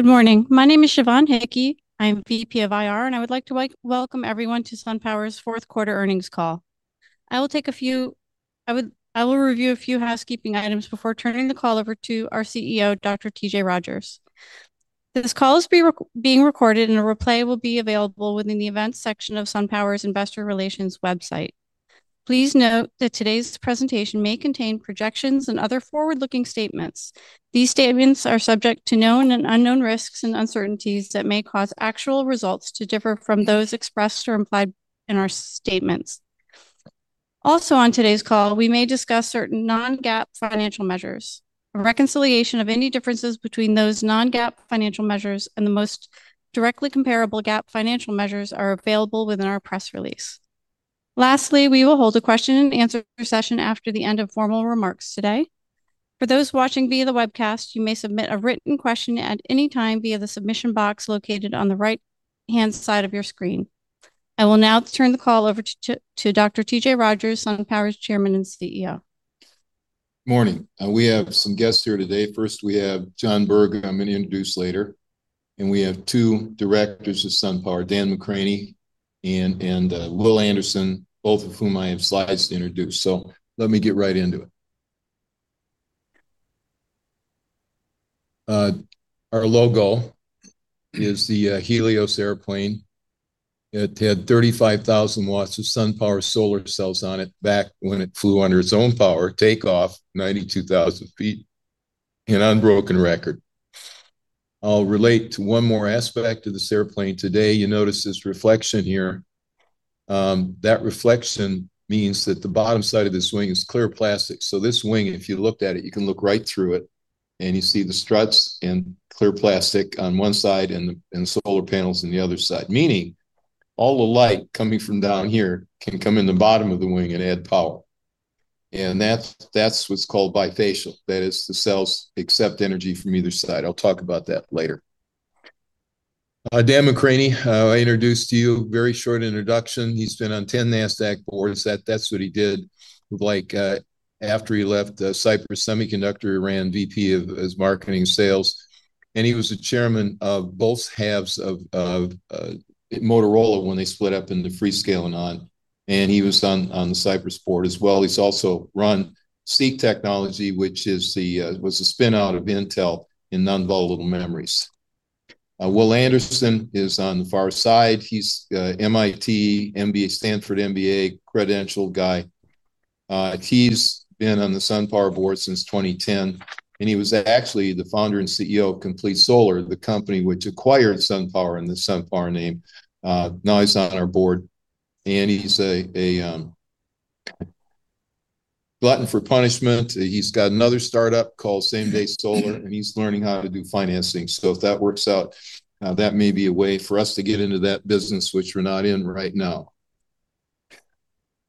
Good morning. My name is Siobhan Hickey. I'm VP of IR, and I would like to welcome everyone to SunPower's fourth quarter earnings call. I will review a few housekeeping items before turning the call over to our CEO, Dr. T.J. Rogers. This call is being recorded, and a replay will be available within the events section of SunPower's Investor Relations website. Please note that today's presentation may contain projections and other forward-looking statements. These statements are subject to known and unknown risks and uncertainties that may cause actual results to differ from those expressed or implied in our statements. Also, on today's call, we may discuss certain non-GAAP financial measures. A reconciliation of any differences between those non-GAAP financial measures and the most directly comparable GAAP financial measures is available within our press release. Lastly, we will hold a question-and-answer session after the end of formal remarks today. For those watching via the webcast, you may submit a written question at any time via the submission box located on the right-hand side of your screen. I will now turn the call over to Dr. T.J. Rogers, SunPower's Chairman and CEO. Morning. We have some guests here today. First, we have John Berger, I'm going to introduce later. And we have two directors of SunPower, Dan McCranie and Will Anderson, both of whom I have slides to introduce. So let me get right into it. Our logo is the Helios airplane. It had 35,000 watts of SunPower solar cells on it back when it flew under its own power, takeoff 92,000 feet, an unbroken record. I'll relate to one more aspect of this airplane today. You notice this reflection here. That reflection means that the bottom side of this wing is clear plastic. So this wing, if you looked at it, you can look right through it, and you see the struts and clear plastic on one side and the solar panels on the other side, meaning all the light coming from down here can come in the bottom of the wing and add power. And that's what's called bifacial. That is, the cells accept energy from either side. I'll talk about that later. Dan McCranie, I introduced to you, very short introduction. He's been on 10 NASDAQ boards. That's what he did after he left Cypress Semiconductor, ran VP of marketing sales. And he was the chairman of both halves of Motorola when they split up into Freescale and ON. And he was on the Cypress board as well. He's also run SEEQ Technology, which was a spinout of Intel in non-volatile memories. Will Anderson is on the far side. He's MIT, Stanford MBA credentialed guy. He's been on the SunPower board since 2010. And he was actually the founder and CEO of Complete Solar, the company which acquired SunPower and the SunPower name. Now he's on our board. And he's a glutton for punishment. He's got another startup called Same Day Solar, and he's learning how to do financing. So if that works out, that may be a way for us to get into that business, which we're not in right now.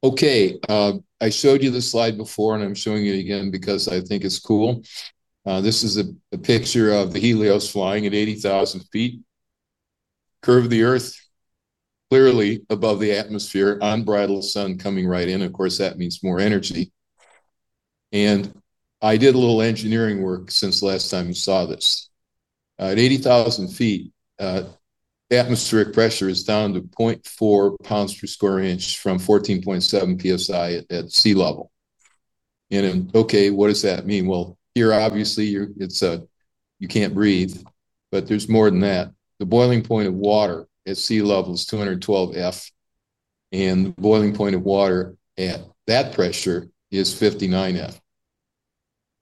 Okay. I showed you the slide before, and I'm showing it again because I think it's cool. This is a picture of the Helios flying at 80,000 feet, curve of the Earth clearly above the atmosphere, unbridled sun coming right in. Of course, that means more energy. And I did a little engineering work since last time you saw this. At 80,000 feet, atmospheric pressure is down to 0.4 pounds per square inch from 14.7 PSI at sea level. And okay, what does that mean? Well, here, obviously, you can't breathe, but there's more than that. The boiling point of water at sea level is 212 degrees Fahrenheit, and the boiling point of water at that pressure is 59 degrees Fahrenheit.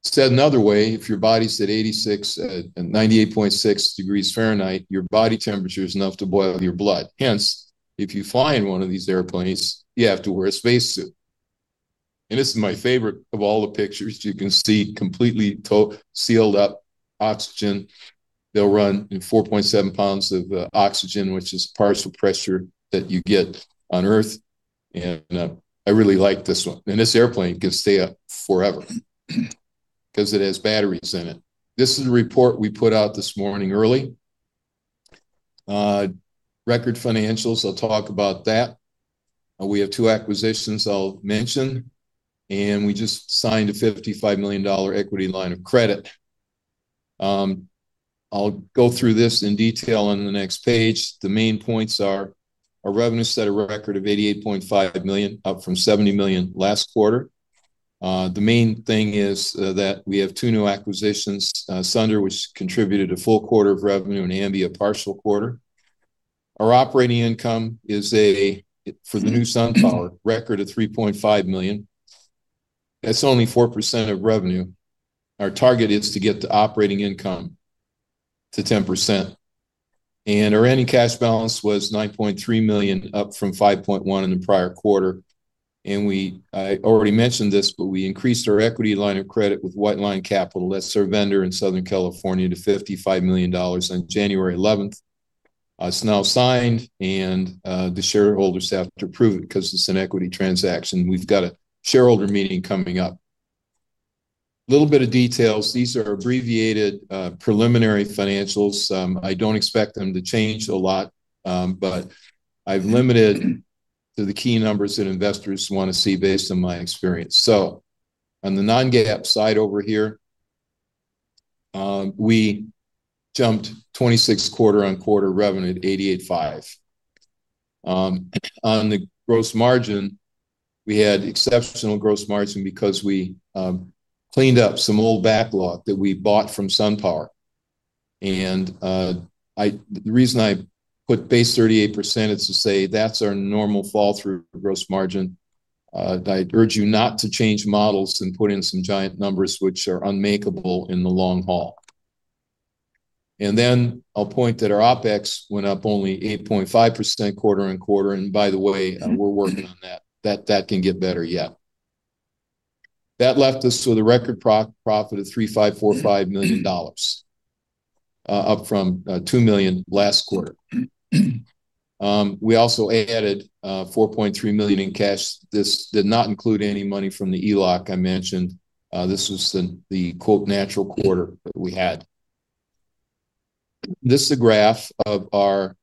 Said another way, if your body's at 98.6 degrees Fahrenheit, your body temperature is enough to boil your blood. Hence, if you fly in one of these airplanes, you have to wear a spacesuit. And this is my favorite of all the pictures. You can see completely sealed up oxygen. They'll run in 4.7 pounds of oxygen, which is partial pressure that you get on Earth. And I really like this one. And this airplane can stay up forever because it has batteries in it. This is a report we put out this morning, early. Record financials. I'll talk about that. We have two acquisitions I'll mention, and we just signed a $55 million equity line of credit. I'll go through this in detail on the next page. The main points are our revenue set a record of $88.5 million, up from $70 million last quarter. The main thing is that we have two new acquisitions, Sunder, which contributed a full quarter of revenue, and Ambia, a partial quarter. Our operating income is for the new SunPower, a record of $3.5 million. That's only 4% of revenue. Our target is to get the operating income to 10%, and our ending cash balance was $9.3 million, up from $5.1 million in the prior quarter, and I already mentioned this, but we increased our equity line of credit with White Lion Capital. That's our vendor in Southern California to $55 million on January 11th. It's now signed, and the shareholders have to approve it because it's an equity transaction. We've got a shareholder meeting coming up. A little bit of details. These are abbreviated preliminary financials. I don't expect them to change a lot, but I've limited to the key numbers that investors want to see based on my experience, so on the non-GAAP side over here, we jumped 26 quarter-on-quarter revenue at 88.5. On the gross margin, we had exceptional gross margin because we cleaned up some old backlog that we bought from SunPower, and the reason I put base 38% is to say that's our normal fall-through gross margin. I urge you not to change models and put in some giant numbers which are unmakeable in the long haul. I'll point out that our OpEx went up only 8.5% quarter-on-quarter. By the way, we're working on that. That can get better yet. That left us with a record profit of $3.545 million, up from $2 million last quarter. We also added $4.3 million in cash. This did not include any money from the ELOC I mentioned. This was the "natural quarter" that we had. This is a graph of our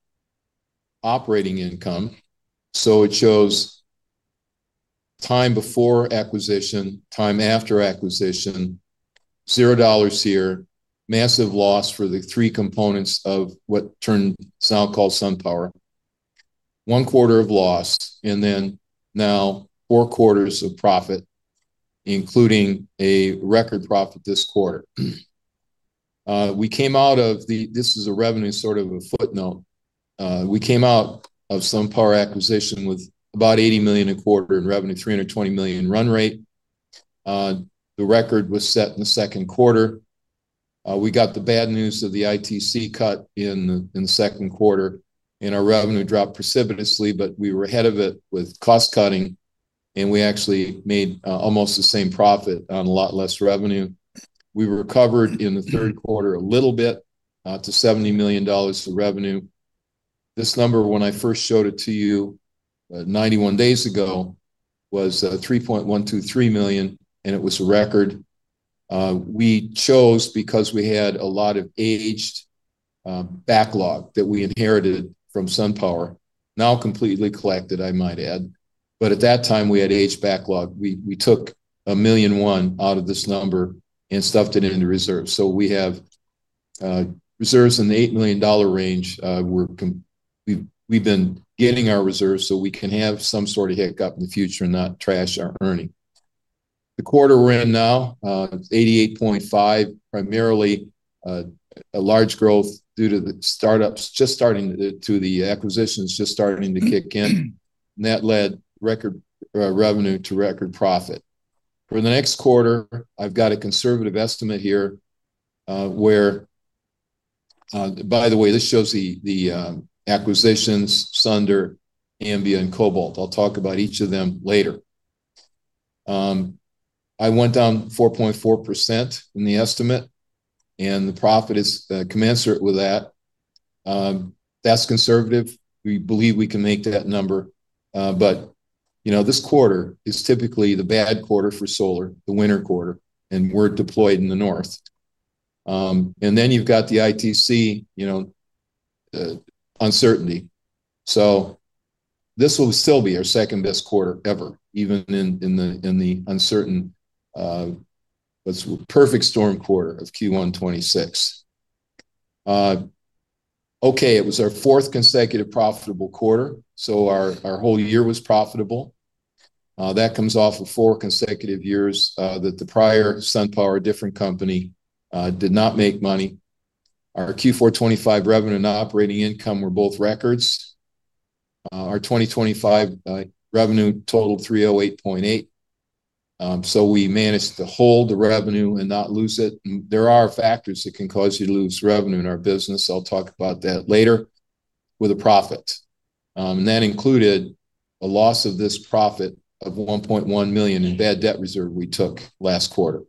operating income. It shows time before acquisition, time after acquisition, $0 here, massive loss for the three components of what is now called SunPower, one quarter of loss, and then now four quarters of profit, including a record profit this quarter. We came out of the acquisition. This is a revenue sort of a footnote. We came out of SunPower acquisition with about $80 million a quarter and revenue $320 million run rate. The record was set in the second quarter. We got the bad news of the ITC cut in the second quarter, and our revenue dropped precipitously, but we were ahead of it with cost cutting, and we actually made almost the same profit on a lot less revenue. We recovered in the third quarter a little bit to $70 million for revenue. This number, when I first showed it to you 91 days ago, was $3.123 million, and it was a record. We chose because we had a lot of aged backlog that we inherited from SunPower, now completely collected, I might add. But at that time, we had aged backlog. We took $1.1 million out of this number and stuffed it into reserves. So we have reserves in the $8 million range. We've been getting our reserves so we can have some sort of hiccup in the future and not trash our earnings. The quarter we're in now, 88.5, primarily large growth due to the acquisitions just starting to kick in. And that led record revenue to record profit. For the next quarter, I've got a conservative estimate here, where by the way, this shows the acquisitions, Sunder, Ambia, and Cobalt. I'll talk about each of them later. I went down 4.4% in the estimate, and the profit is commensurate with that. That's conservative. We believe we can make that number. But this quarter is typically the bad quarter for solar, the winter quarter, and we're deployed in the north. And then you've got the ITC uncertainty. So this will still be our second-best quarter ever, even in the uncertain, perfect storm quarter of Q1 2026. Okay, it was our fourth consecutive profitable quarter. So our whole year was profitable. That comes off of four consecutive years that the prior SunPower, different company, did not make money. Our Q4 2025 revenue and operating income were both records. Our 2025 revenue totaled $308.8 million. So we managed to hold the revenue and not lose it. There are factors that can cause you to lose revenue in our business. I'll talk about that later. With a profit. And that included a loss of this profit of $1.1 million in bad debt reserve we took last quarter.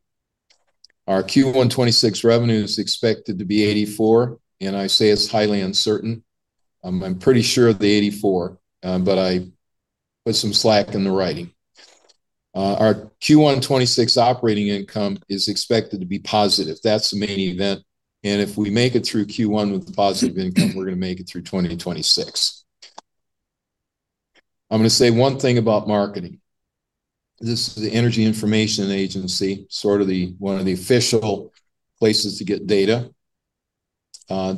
Our Q1 2026 revenue is expected to be $84 million, and I say it's highly uncertain. I'm pretty sure of the 84, but I put some slack in the writing. Our Q1 2026 operating income is expected to be positive. That's the main event. And if we make it through Q1 with a positive income, we're going to make it through 2026. I'm going to say one thing about marketing. This is the Energy Information Agency, sort of one of the official places to get data.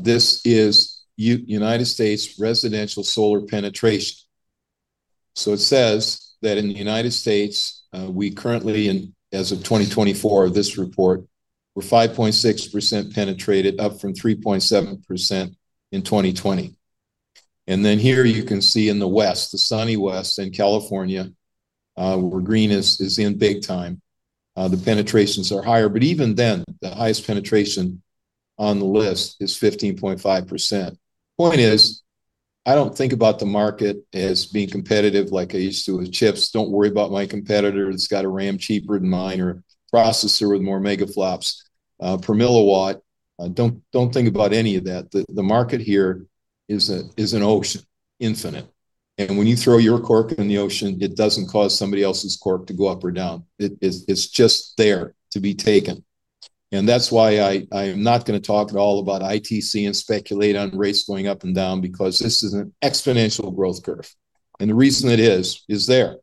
This is United States residential solar penetration. So it says that in the United States, we currently, as of 2024, this report, we're 5.6% penetrated, up from 3.7% in 2020. And then here you can see in the west, the sunny west in California, where green is in big time, the penetrations are higher. But even then, the highest penetration on the list is 15.5%. Point is, I don't think about the market as being competitive like I used to with chips. Don't worry about my competitor that's got a RAM cheaper than mine or a processor with more megaflops per milliwatt. Don't think about any of that. The market here is an ocean, infinite. And when you throw your cork in the ocean, it doesn't cause somebody else's cork to go up or down. It's just there to be taken. And that's why I am not going to talk at all about ITC and speculate on rates going up and down because this is an exponential growth curve. And the reason it is, is there.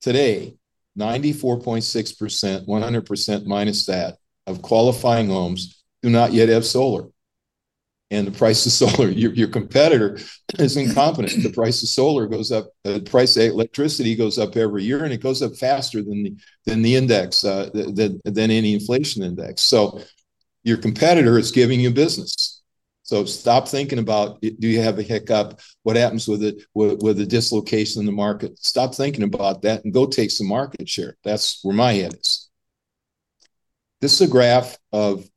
Today, 94.6%, 100% minus that of qualifying homes do not yet have solar. And the price of solar, your competitor is incompetent. The price of solar goes up. The price of electricity goes up every year, and it goes up faster than the index, than any inflation index. So your competitor is giving you business. So stop thinking about, do you have a hiccup? What happens with the dislocation in the market? Stop thinking about that and go take some market share. That's where my head is. This is a graph of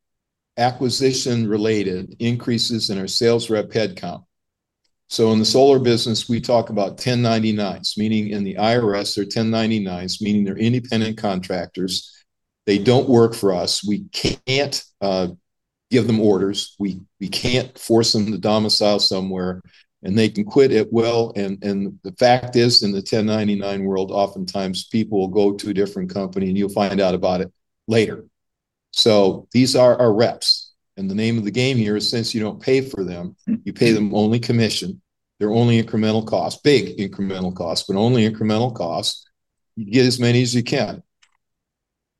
acquisition-related increases in our sales rep headcount. So in the solar business, we talk about 1099s, meaning in the IRS, they're 1099s, meaning they're independent contractors. They don't work for us. We can't give them orders. We can't force them to domicile somewhere. And they can quit at will. And the fact is, in the 1099 world, oftentimes people will go to a different company, and you'll find out about it later. So these are our reps. And the name of the game here is, since you don't pay for them, you pay them only commission. They're only incremental costs, big incremental costs, but only incremental costs. You get as many as you can.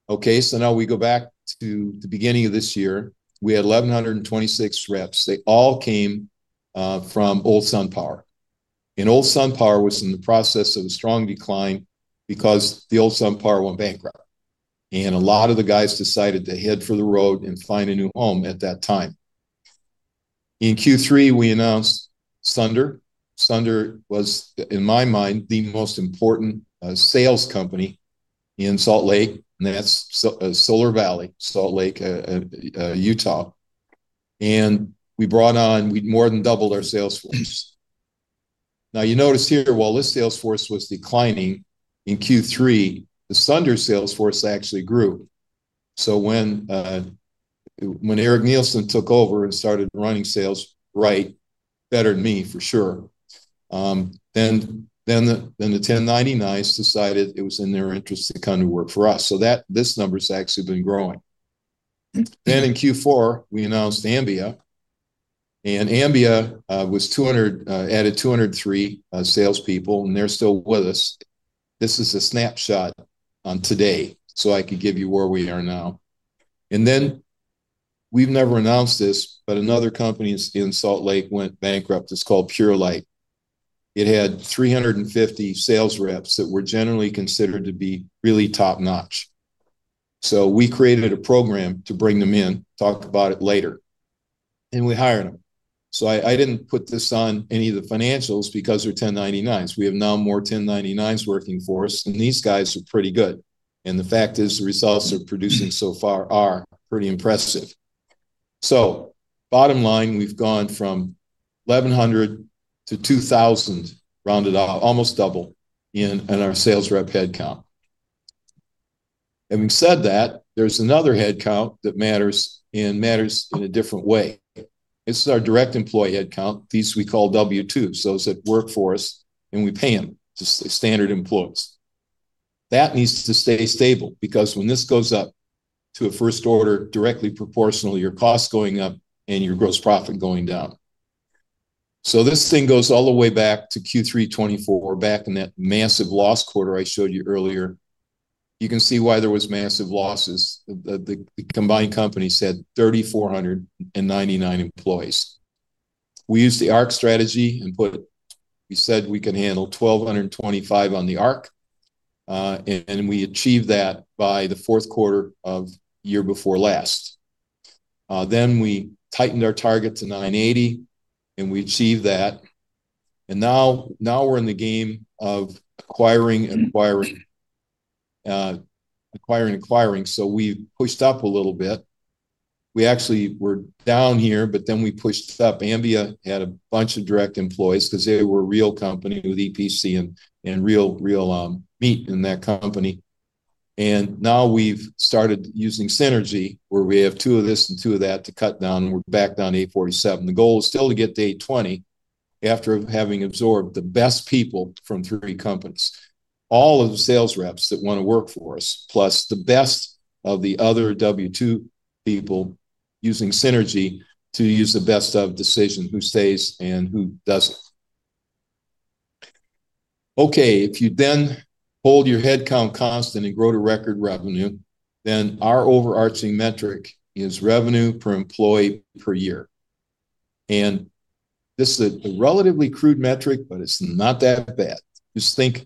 Okay, so now we go back to the beginning of this year. We had 1,126 reps. They all came from Old SunPower. Old SunPower was in the process of a strong decline because the Old SunPower went bankrupt. A lot of the guys decided to head for the road and find a new home at that time. In Q3, we announced Sunder. Sunder was, in my mind, the most important sales company in Salt Lake. That's Solar Valley, Salt Lake, Utah. We brought on, we more than doubled our sales force. Now, you notice here, while this sales force was declining in Q3, the Sunder sales force actually grew. When Eric Nielsen took over and started running sales, right, better than me, for sure, then the 1099s decided it was in their interest to come to work for us. This number has actually been growing. In Q4, we announced Ambia. Ambia added 203 salespeople, and they're still with us. This is a snapshot on today so I could give you where we are now, and then we've never announced this, but another company in Salt Lake went bankrupt. It's called Purelight. It had 350 sales reps that were generally considered to be really top-notch, so we created a program to bring them in, talk about it later, and we hired them, so I didn't put this on any of the financials because they're 1099s. We have now more 1099s working for us, and these guys are pretty good, and the fact is, the results they're producing so far are pretty impressive, so bottom line, we've gone from 1,100 to 2,000, rounded off, almost double in our sales rep headcount. Having said that, there's another headcount that matters and matters in a different way. This is our direct employee headcount. These we call W-2. So it's at work for us, and we pay them as standard employees. That needs to stay stable because when this goes up to a first order, directly proportional, your costs going up and your gross profit going down. So this thing goes all the way back to Q3 2024, back in that massive loss quarter I showed you earlier. You can see why there was massive losses. The combined companies had 3,499 employees. We used the ARC strategy and put, we said we could handle 1,225 on the ARC. And we achieved that by the fourth quarter of year before last. Then we tightened our target to 980, and we achieved that. And now we're in the game of acquiring and acquiring, acquiring and acquiring. So we pushed up a little bit. We actually were down here, but then we pushed up. Ambia had a bunch of direct employees because they were a real company with EPC and real meat in that company. And now we've started using Synergy, where we have two of this and two of that to cut down, and we're back down to 847. The goal is still to get to 820 after having absorbed the best people from three companies. All of the sales reps that want to work for us, plus the best of the other W-2 people using Synergy to use the best of decision, who stays and who doesn't. Okay, if you then hold your headcount constant and grow to record revenue, then our overarching metric is revenue per employee per year. And this is a relatively crude metric, but it's not that bad.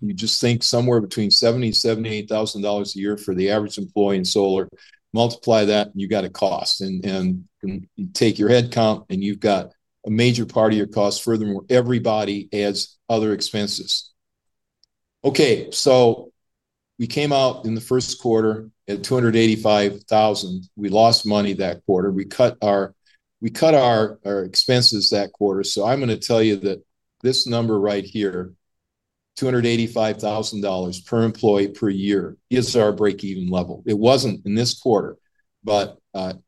You just think somewhere between $70,000 and $78,000 a year for the average employee in solar. Multiply that, and you got a cost and take your headcount, and you've got a major part of your cost. Furthermore, everybody adds other expenses. Okay, so we came out in the first quarter at $285,000. We lost money that quarter. We cut our expenses that quarter, so I'm going to tell you that this number right here, $285,000 per employee per year, is our break-even level. It wasn't in this quarter, but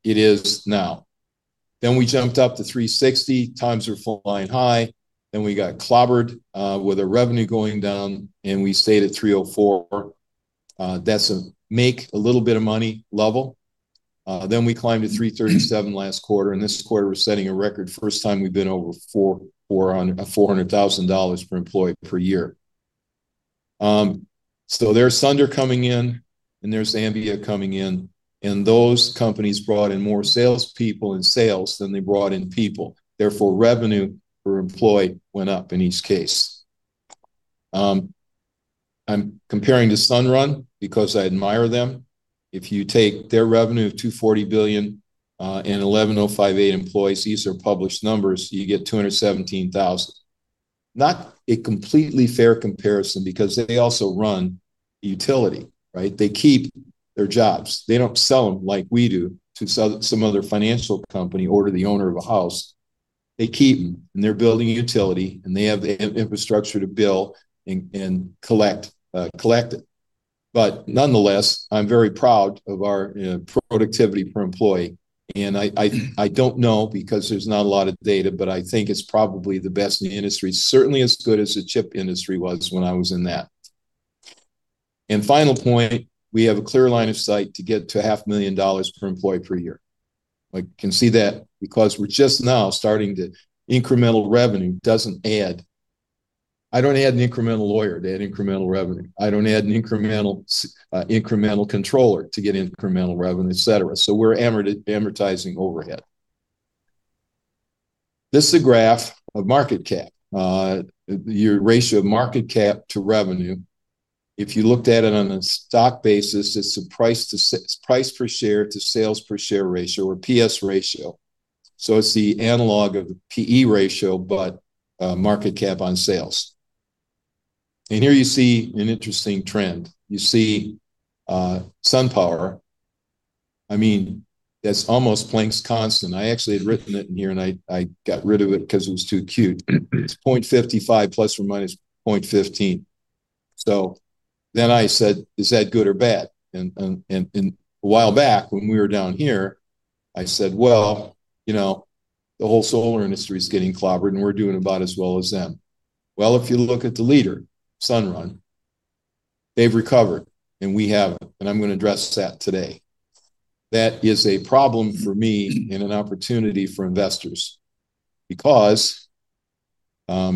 it is now, then we jumped up to $360,000, times are flying high. Then we got clobbered with a revenue going down, and we stayed at $304,000. That's a make a little bit of money level. Then we climbed to $337,000 last quarter, and this quarter, we're setting a record. First time we've been over $400,000 per employee per year, so there's Sunder coming in, and there's Ambia coming in. Those companies brought in more salespeople in sales than they brought in people. Therefore, revenue per employee went up in each case. I'm comparing to Sunrun because I admire them. If you take their revenue of $2.4 billion and 11,058 employees, these are published numbers, you get $217,000. Not a completely fair comparison because they also run utility, right? They keep their jobs. They don't sell them like we do to some other financial company or the owner of a house. They keep them, and they're building utility, and they have the infrastructure to build and collect it. But nonetheless, I'm very proud of our productivity per employee. And I don't know because there's not a lot of data, but I think it's probably the best in the industry. Certainly as good as the chip industry was when I was in that. The final point, we have a clear line of sight to get to $500,000 per employee per year. You can see that because we're just now starting to incremental revenue doesn't add. I don't add an incremental lawyer to add incremental revenue. I don't add an incremental controller to get incremental revenue, etc. So we're amortizing overhead. This is a graph of market cap. Your ratio of market cap to revenue, if you looked at it on a stock basis, it's a price per share to sales per share ratio or PS ratio. So it's the analog of the PE ratio, but market cap on sales. And here you see an interesting trend. You see SunPower. I mean, that's almost Planck's constant. I actually had written it in here, and I got rid of it because it was too cute. It's 0.55 plus or minus 0.15. So then I said, "Is that good or bad?" And a while back, when we were down here, I said, "Well, you know the whole solar industry is getting clobbered, and we're doing about as well as them." Well, if you look at the leader, Sunrun, they've recovered, and we haven't. And I'm going to address that today. That is a problem for me and an opportunity for investors because, yeah,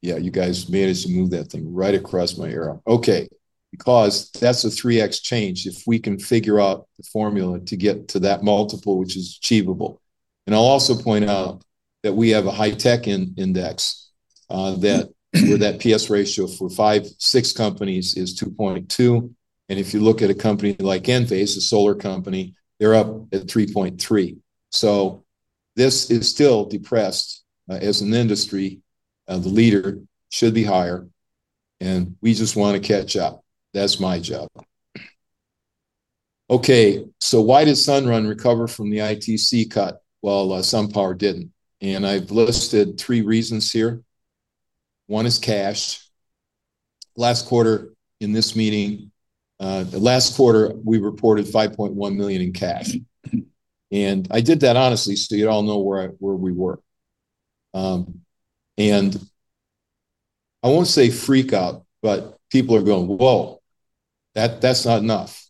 you guys managed to move that thing right across my arrow. Okay, because that's a 3x change if we can figure out the formula to get to that multiple, which is achievable. And I'll also point out that we have a high-tech index where that PS ratio for five, six companies is 2.2. And if you look at a company like Enphase, a solar company, they're up at 3.3. So this is still depressed as an industry. The leader should be higher, and we just want to catch up. That's my job. Okay, so why did Sunrun recover from the ITC cut while SunPower didn't? And I've listed three reasons here. One is cash. Last quarter, in this meeting, last quarter, we reported $5.1 million in cash. And I did that honestly so you'd all know where we were. And I won't say freak out, but people are going, "Whoa, that's not enough."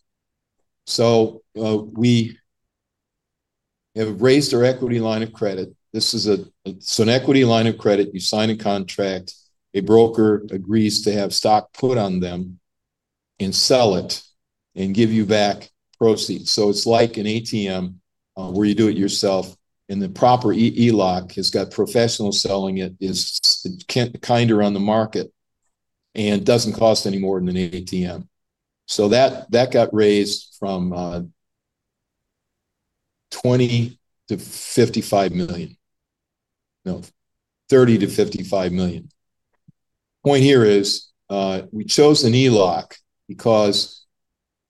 So we have raised our equity line of credit. This is an equity line of credit. You sign a contract. A broker agrees to have stock put on them and sell it and give you back proceeds. So it's like an ATM where you do it yourself. And the proper ELOC has got professionals selling it. It's kinder on the market and doesn't cost any more than an ATM. So that got raised from $20 million-$55 million. No, $30 million-$55 million. Point here is we chose an ELOC because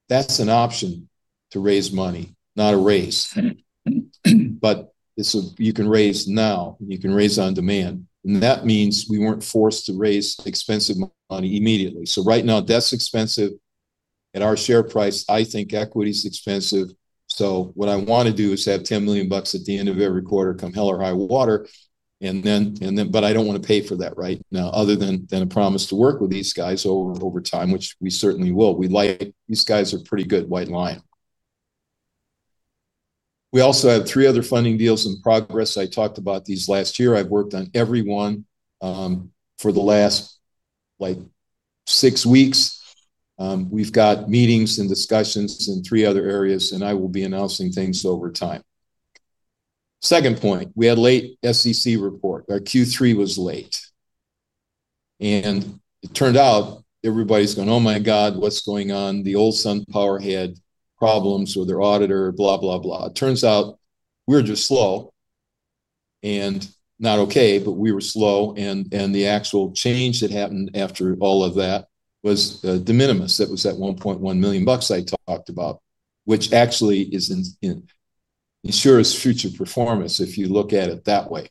that's an option to raise money, not a raise. But you can raise now, and you can raise on demand. And that means we weren't forced to raise expensive money immediately. So right now, that's expensive. At our share price, I think equity is expensive. So what I want to do is have $10 million at the end of every quarter come hell or high water. But I don't want to pay for that right now other than a promise to work with these guys over time, which we certainly will. We like these guys. They're pretty good. White Lion. We also have three other funding deals in progress. I talked about these last year. I've worked on every one for the last six weeks. We've got meetings and discussions in three other areas, and I will be announcing things over time. Second point, we had late SEC report. Our Q3 was late. And it turned out everybody's going, "Oh my God, what's going on?" The old SunPower had problems with their auditor, blah, blah, blah. It turns out we're just slow and not okay, but we were slow. And the actual change that happened after all of that was de minimis. That was that $1.1 million I talked about, which actually is insurers' future performance if you look at it that way.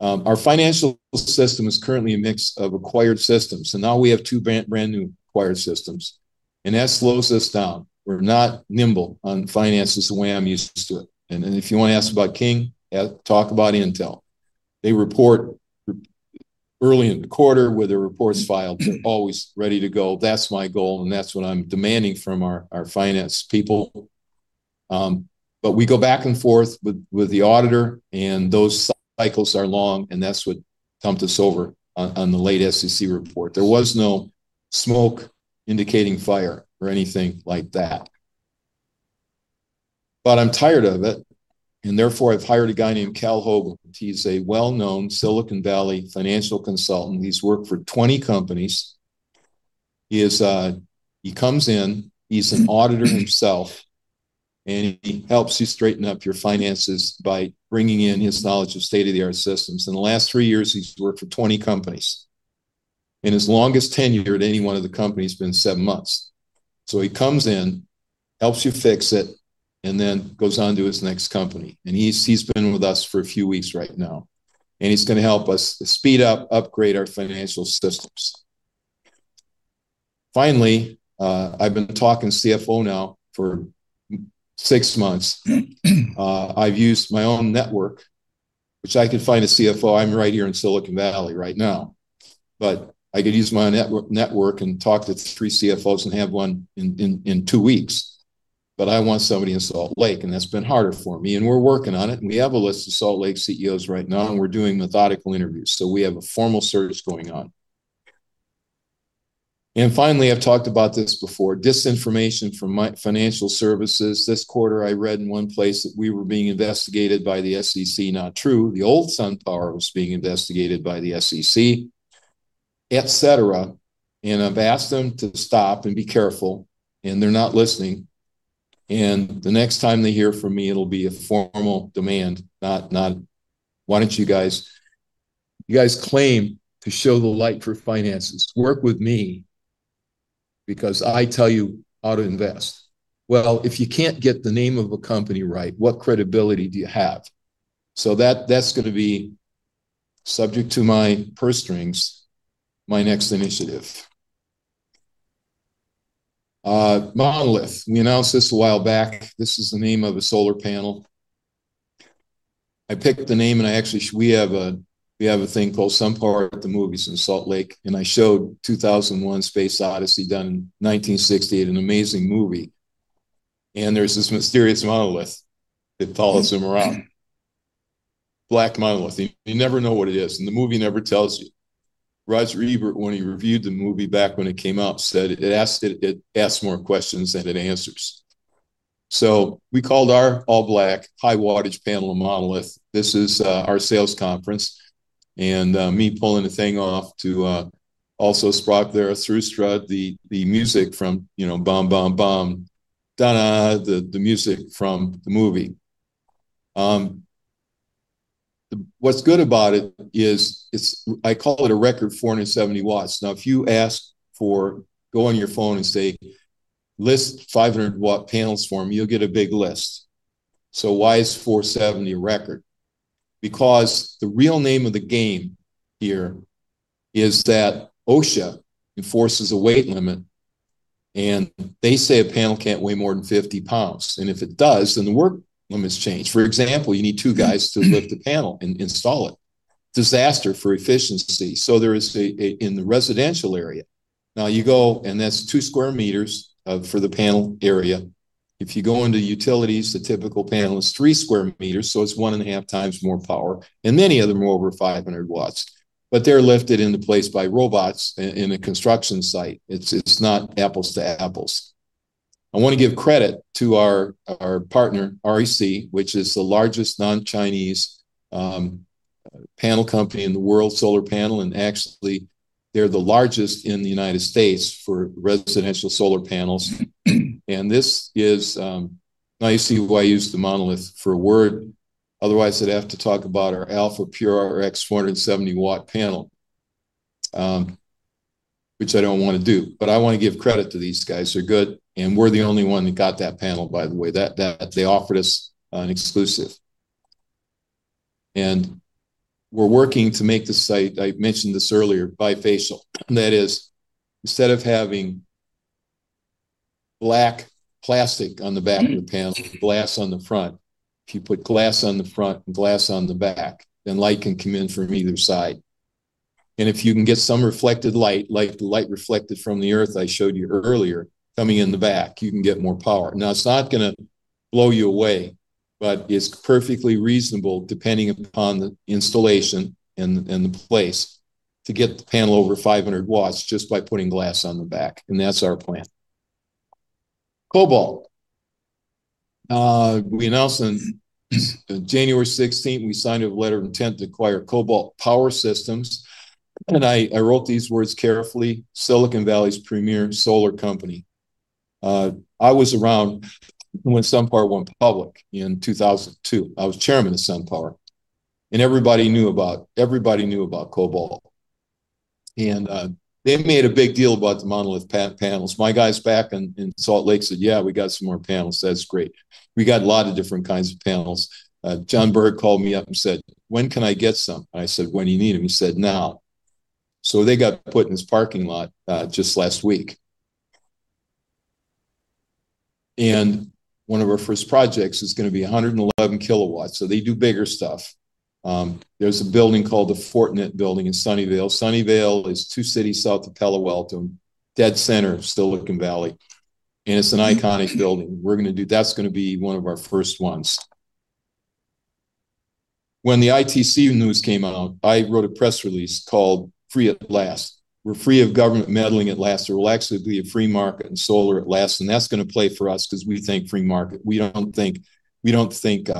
Our financial system is currently a mix of acquired systems. So now we have two brand new acquired systems. And that slows us down. We're not nimble on finances the way I'm used to it. And if you want to ask about King, talk about Intel. They report early in the quarter with their reports filed. They're always ready to go. That's my goal, and that's what I'm demanding from our finance people. But we go back and forth with the auditor, and those cycles are long, and that's what dumped us over on the late SEC report. There was no smoke indicating fire or anything like that. But I'm tired of it. And therefore, I've hired a guy named Cal Hoagland. He's a well-known Silicon Valley financial consultant. He's worked for 20 companies. He comes in. He's an auditor himself, and he helps you straighten up your finances by bringing in his knowledge of state-of-the-art systems. In the last three years, he's worked for 20 companies. And his longest tenure at any one of the companies has been seven months. He comes in, helps you fix it, and then goes on to his next company. He's been with us for a few weeks right now. He's going to help us speed up, upgrade our financial systems. Finally, I've been talking CFO now for six months. I've used my own network, which I could find a CFO. I'm right here in Silicon Valley right now. I could use my network and talk to three CFOs and have one in two weeks. I want somebody in Salt Lake, and that's been harder for me. We're working on it. We have a list of Salt Lake CFOs right now, and we're doing methodical interviews. We have a formal search going on. Finally, I've talked about this before. Disinformation from financial services. This quarter, I read in one place that we were being investigated by the SEC. Not true. The old SunPower was being investigated by the SEC, etc. And I've asked them to stop and be careful, and they're not listening. And the next time they hear from me, it'll be a formal demand. Why don't you guys claim to show the light for finances? Work with me because I tell you how to invest. Well, if you can't get the name of a company right, what credibility do you have? So that's going to be subject to my purse strings, my next initiative. Monolith. We announced this a while back. This is the name of a solar panel. I picked the name, and I actually we have a thing called SunPower at the movies in Salt Lake. And I showed 2001: A Space Odyssey done in 1968, an amazing movie. There's this mysterious monolith that follows him around. Black monolith. You never know what it is, and the movie never tells you. Roger Ebert, when he reviewed the movie back when it came out, said it asked more questions than it answers. So we called our all-black, high-wattage panel a Monolith. This is our sales conference. And me pulling the thing off to also spark their through strut, the music from Bomb, Bomb, Bomb, da-na, the music from the movie. What's good about it is I call it a record 470 watts. Now, if you ask Google on your phone and say, "List 500-watt panels for me," you'll get a big list. So why is 470 a record? Because the real name of the game here is that OSHA enforces a weight limit, and they say a panel can't weigh more than 50 pounds. And if it does, then the work limit's changed. For example, you need two guys to lift the panel and install it. Disaster for efficiency. So there is in the residential area. Now, you go, and that's two square meters for the panel area. If you go into utilities, the typical panel is three square meters, so it's one and a half times more power. And many of them are over 500 watts. But they're lifted into place by robots in a construction site. It's not apples to apples. I want to give credit to our partner, REC, which is the largest non-Chinese panel company in the world, solar panel. And actually, they're the largest in the United States for residential solar panels. And this is now you see why I use the Monolith for a word. Otherwise, I'd have to talk about our Alpha Pure-RX 470-watt panel, which I don't want to do. But I want to give credit to these guys. They're good. And we're the only one that got that panel, by the way. They offered us an exclusive. And we're working to make the site I mentioned earlier, bifacial. That is, instead of having black plastic on the back of the panel, glass on the front. If you put glass on the front and glass on the back, then light can come in from either side. And if you can get some reflected light, like the light reflected from the earth I showed you earlier, coming in the back, you can get more power. Now, it's not going to blow you away, but it's perfectly reasonable, depending upon the installation and the place, to get the panel over 500 watts just by putting glass on the back. And that's our plan. Cobalt. We announced on January 16th, we signed a letter of intent to acquire Cobalt Power Systems. And I wrote these words carefully, "Silicon Valley's premier solar company." I was around when SunPower went public in 2002. I was chairman of SunPower. And everybody knew about Cobalt. And they made a big deal about the Monolith panels. My guys back in Salt Lake said, "Yeah, we got some more panels. That's great." We got a lot of different kinds of panels. John Berger called me up and said, "When can I get some?" I said, "When you need them." He said, "Now." So they got put in his parking lot just last week. One of our first projects is going to be 111 kilowatts. They do bigger stuff. There's a building called the Fortinet building in Sunnyvale. Sunnyvale is two cities south of Palo Alto, dead center of Silicon Valley. It's an iconic building. That's going to be one of our first ones. When the ITC news came out, I wrote a press release called Free at Last. We're free of government meddling at last. There will actually be a free market in solar at last. That's going to play for us because we think free market. We don't think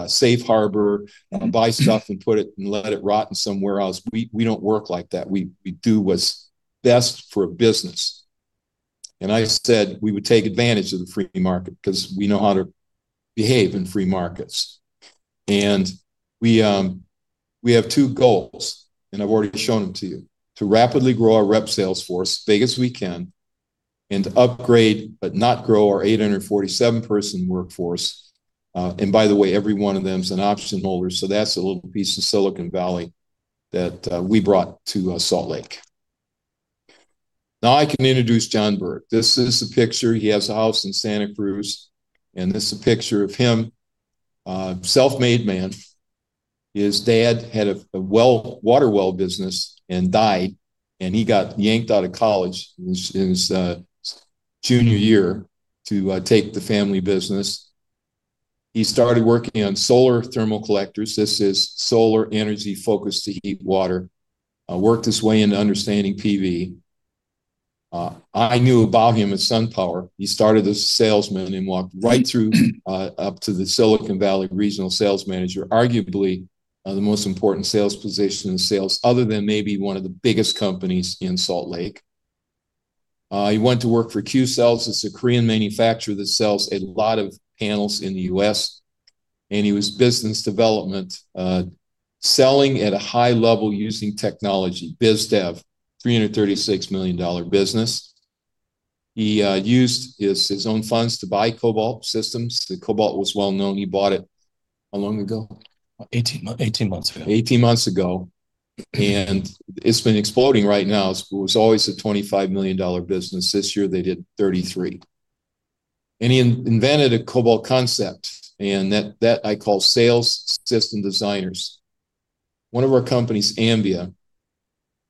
Safe Harbor and buy stuff and put it and let it rot in somewhere else. We don't work like that. We do what's best for a business. I said we would take advantage of the free market because we know how to behave in free markets. And we have two goals. And I've already shown them to you. To rapidly grow our rep sales force, big as we can, and to upgrade but not grow our 847-person workforce. And by the way, every one of them is an option holder. So that's a little piece of Silicon Valley that we brought to Salt Lake. Now, I can introduce John Berger. This is the picture. He has a house in Santa Cruz. And this is a picture of him, self-made man. His dad had a water well business and died. And he got yanked out of college in his junior year to take the family business. He started working on solar thermal collectors. This is solar energy focused to heat water. Worked his way into understanding PV. I knew about him at SunPower. He started as a salesman and walked right through up to the Silicon Valley regional sales manager, arguably the most important sales position in sales other than maybe one of the biggest companies in Salt Lake. He went to work for Qcells. It's a Korean manufacturer that sells a lot of panels in the U.S. And he was business development, selling at a high level using technology, BizDev, $336 million business. He used his own funds to buy Cobalt systems. The Cobalt was well known. He bought it how long ago? 18 months ago. 18 months ago. And it's been exploding right now. It was always a $25 million business. This year, they did 33. And he invented a Cobalt concept. And that I call sales system designers. One of our companies, Ambia,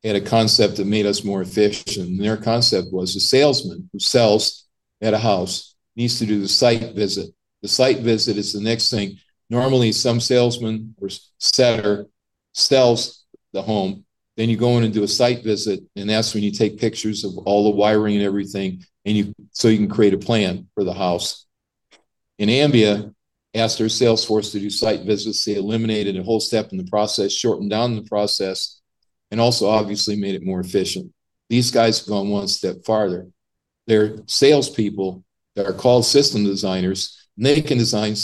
had a concept that made us more efficient. And their concept was a salesman who sells at a house needs to do the site visit. The site visit is the next thing. Normally, some salesman or seller sells the home. Then you go in and do a site visit. And that's when you take pictures of all the wiring and everything so you can create a plan for the house. And Ambia asked their sales force to do site visits. They eliminated a whole step in the process, shortened down the process, and also obviously made it more efficient. These guys have gone one step farther. They're salespeople that are called system designers. And they can design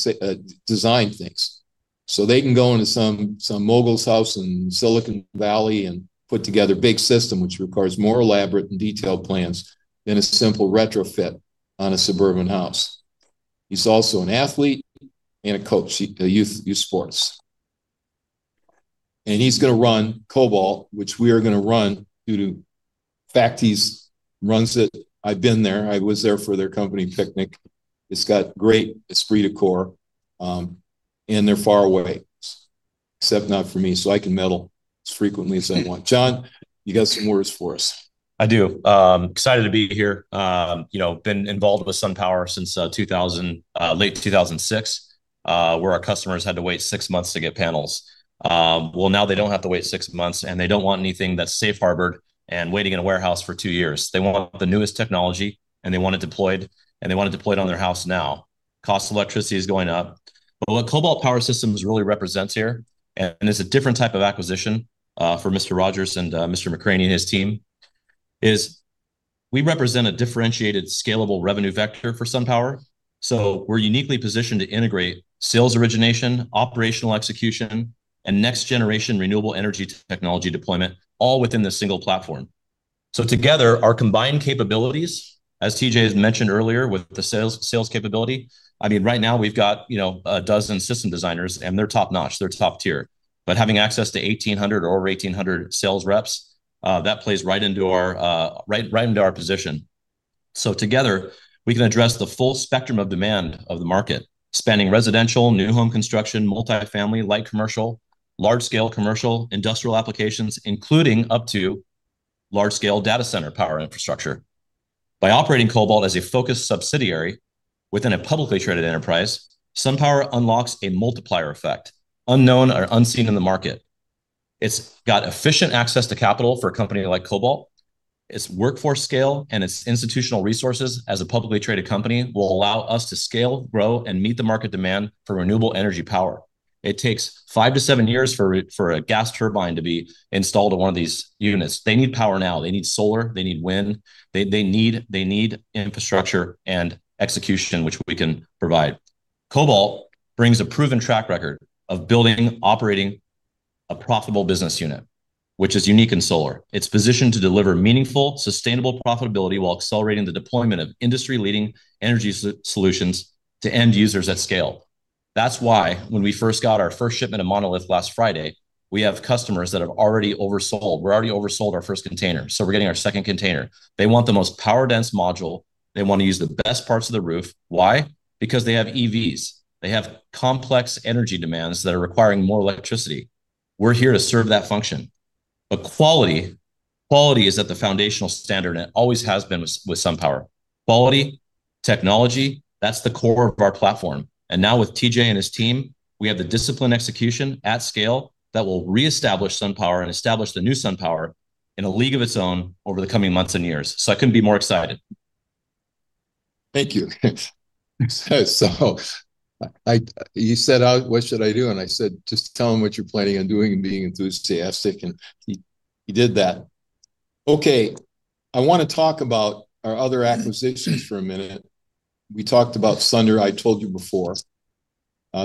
things. So they can go into some mogul's house in Silicon Valley and put together a big system, which requires more elaborate and detailed plans than a simple retrofit on a suburban house. He's also an athlete and a coach in youth sports. He's going to run Cobalt, which we are going to run due to the fact he's run. That's why I've been there. I was there for their company picnic. It's got great esprit de corps. They're far away, except not for me. So I can meddle as frequently as I want. John, you got some words for us. I do. Excited to be here. Been involved with SunPower since late 2006, where our customers had to wait six months to get panels. Well, now they don't have to wait six months. They don't want anything that's Safe Harbored and waiting in a warehouse for two years. They want the newest technology, and they want it deployed. They want it deployed on their house now. Cost of electricity is going up. But what Cobalt Power Systems really represents here, and it's a different type of acquisition for Mr. Rogers and Mr. McCranie and his team, is we represent a differentiated scalable revenue vector for SunPower. So we're uniquely positioned to integrate sales origination, operational execution, and next-generation renewable energy technology deployment, all within the single platform. So together, our combined capabilities, as T.J. has mentioned earlier with the sales capability, I mean, right now, we've got a dozen system designers, and they're top-notch. They're top tier. But having access to 1,800 or over 1,800 sales reps, that plays right into our position. So together, we can address the full spectrum of demand of the market, spanning residential, new home construction, multifamily, light commercial, large-scale commercial, industrial applications, including up to large-scale data center power infrastructure. By operating Cobalt as a focused subsidiary within a publicly traded enterprise, SunPower unlocks a multiplier effect, unknown or unseen in the market. It's got efficient access to capital for a company like Cobalt. Its workforce scale and its institutional resources as a publicly traded company will allow us to scale, grow, and meet the market demand for renewable energy power. It takes five to seven years for a gas turbine to be installed in one of these units. They need power now. They need solar. They need wind. They need infrastructure and execution, which we can provide. Cobalt brings a proven track record of building, operating a profitable business unit, which is unique in solar. It's positioned to deliver meaningful, sustainable profitability while accelerating the deployment of industry-leading energy solutions to end users at scale. That's why when we first got our first shipment of Monolith last Friday, we have customers that have already oversold. We're already oversold our first container. So we're getting our second container. They want the most power-dense module. They want to use the best parts of the roof. Why? Because they have EVs. They have complex energy demands that are requiring more electricity. We're here to serve that function. But quality is at the foundational standard, and it always has been with SunPower. Quality, technology, that's the core of our platform. And now with T.J. and his team, we have the discipline execution at scale that will reestablish SunPower and establish the new SunPower in a league of its own over the coming months and years. So I couldn't be more excited. Thank you. You said, "What should I do?" And I said, "Just tell them what you're planning on doing and being enthusiastic." And he did that. Okay. I want to talk about our other acquisitions for a minute. We talked about Sunder. I told you before.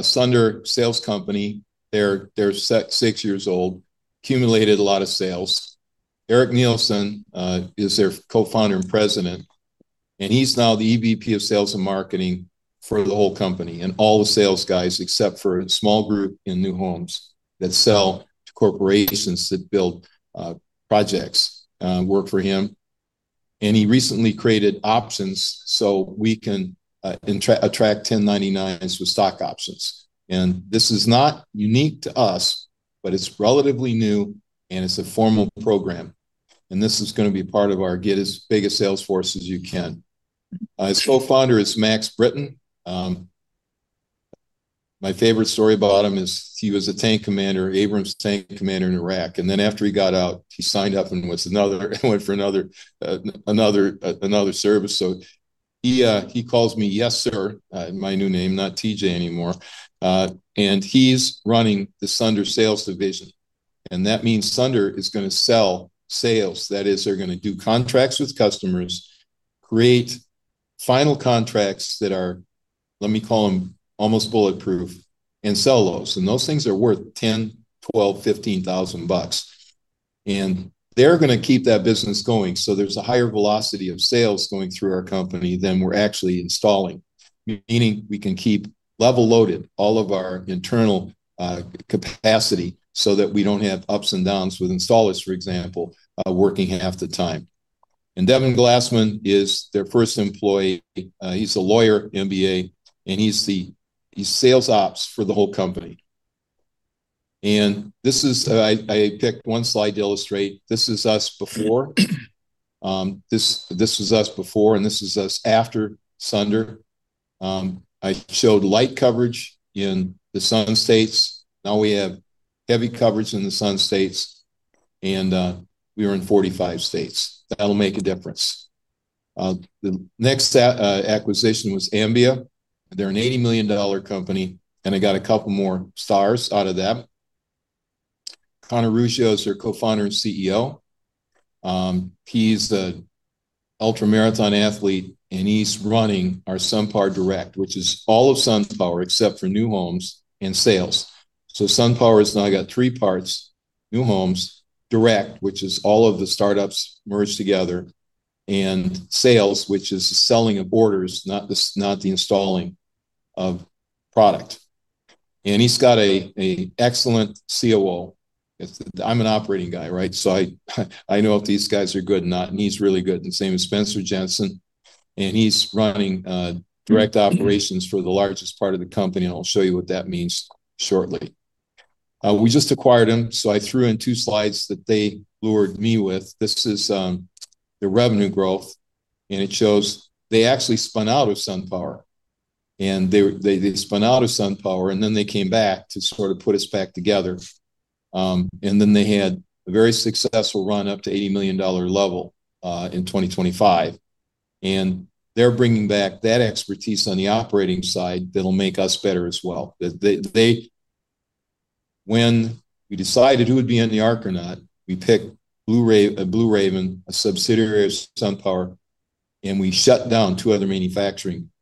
Sunder Energy, they're six years old, accumulated a lot of sales. Eric Nielsen is their co-founder and president. And he's now the EVP of sales and marketing for the whole company and all the sales guys except for a small group in New Homes that sell to corporations that build projects and work for him. And he recently created options so we can attract 1099s with stock options. And this is not unique to us, but it's relatively new, and it's a formal program. And this is going to be part of our get as big a sales force as you can. His co-founder is Max Britton. My favorite story about him is he was a tank commander, Abrams tank commander in Iraq. And then after he got out, he signed up and went for another service. So he calls me Yes Sir in my new name, not T.J. anymore. And he's running the Sunder sales division. And that means Sunder is going to sell sales. That is, they're going to do contracts with customers, create final contracts that are, let me call them, almost bulletproof, and sell those. And those things are worth $10,000, $12,000, $15,000. And they're going to keep that business going. So there's a higher velocity of sales going through our company than we're actually installing, meaning we can keep level loaded all of our internal capacity so that we don't have ups and downs with installers, for example, working half the time. Devin Glassman is their first employee. He's a lawyer, MBA, and he's sales ops for the whole company. I picked one slide to illustrate. This is us before. This is us before, and this is us after Sunder. I showed light coverage in the Sun states. Now we have heavy coverage in the Sun states. We were in 45 states. That'll make a difference. The next acquisition was Ambia. They're an $80 million company. They got a couple more stars out of that. Conor Ruscio is their co-founder and CEO. He's an ultramarathon athlete. He's running our SunPower Direct, which is all of SunPower except for New Homes and sales. SunPower has now got three parts: New Homes, direct, which is all of the startups merged together, and sales, which is selling of orders, not the installing of product. He’s got an excellent COO. I’m an operating guy, right? So I know if these guys are good or not. And he’s really good. And same as Spencer Jensen. And he’s running direct operations for the largest part of the company. And I’ll show you what that means shortly. We just acquired him. So I threw in two slides that they lured me with. This is their revenue growth. And it shows they actually spun out of SunPower. And they spun out of SunPower. And then they came back to sort of put us back together. And then they had a very successful run up to $80 million level in 2025. And they’re bringing back that expertise on the operating side that’ll make us better as well. When we decided who would be in the arc or not, we picked Blue Raven, a subsidiary of SunPower. We shut down two other manufacturing groups.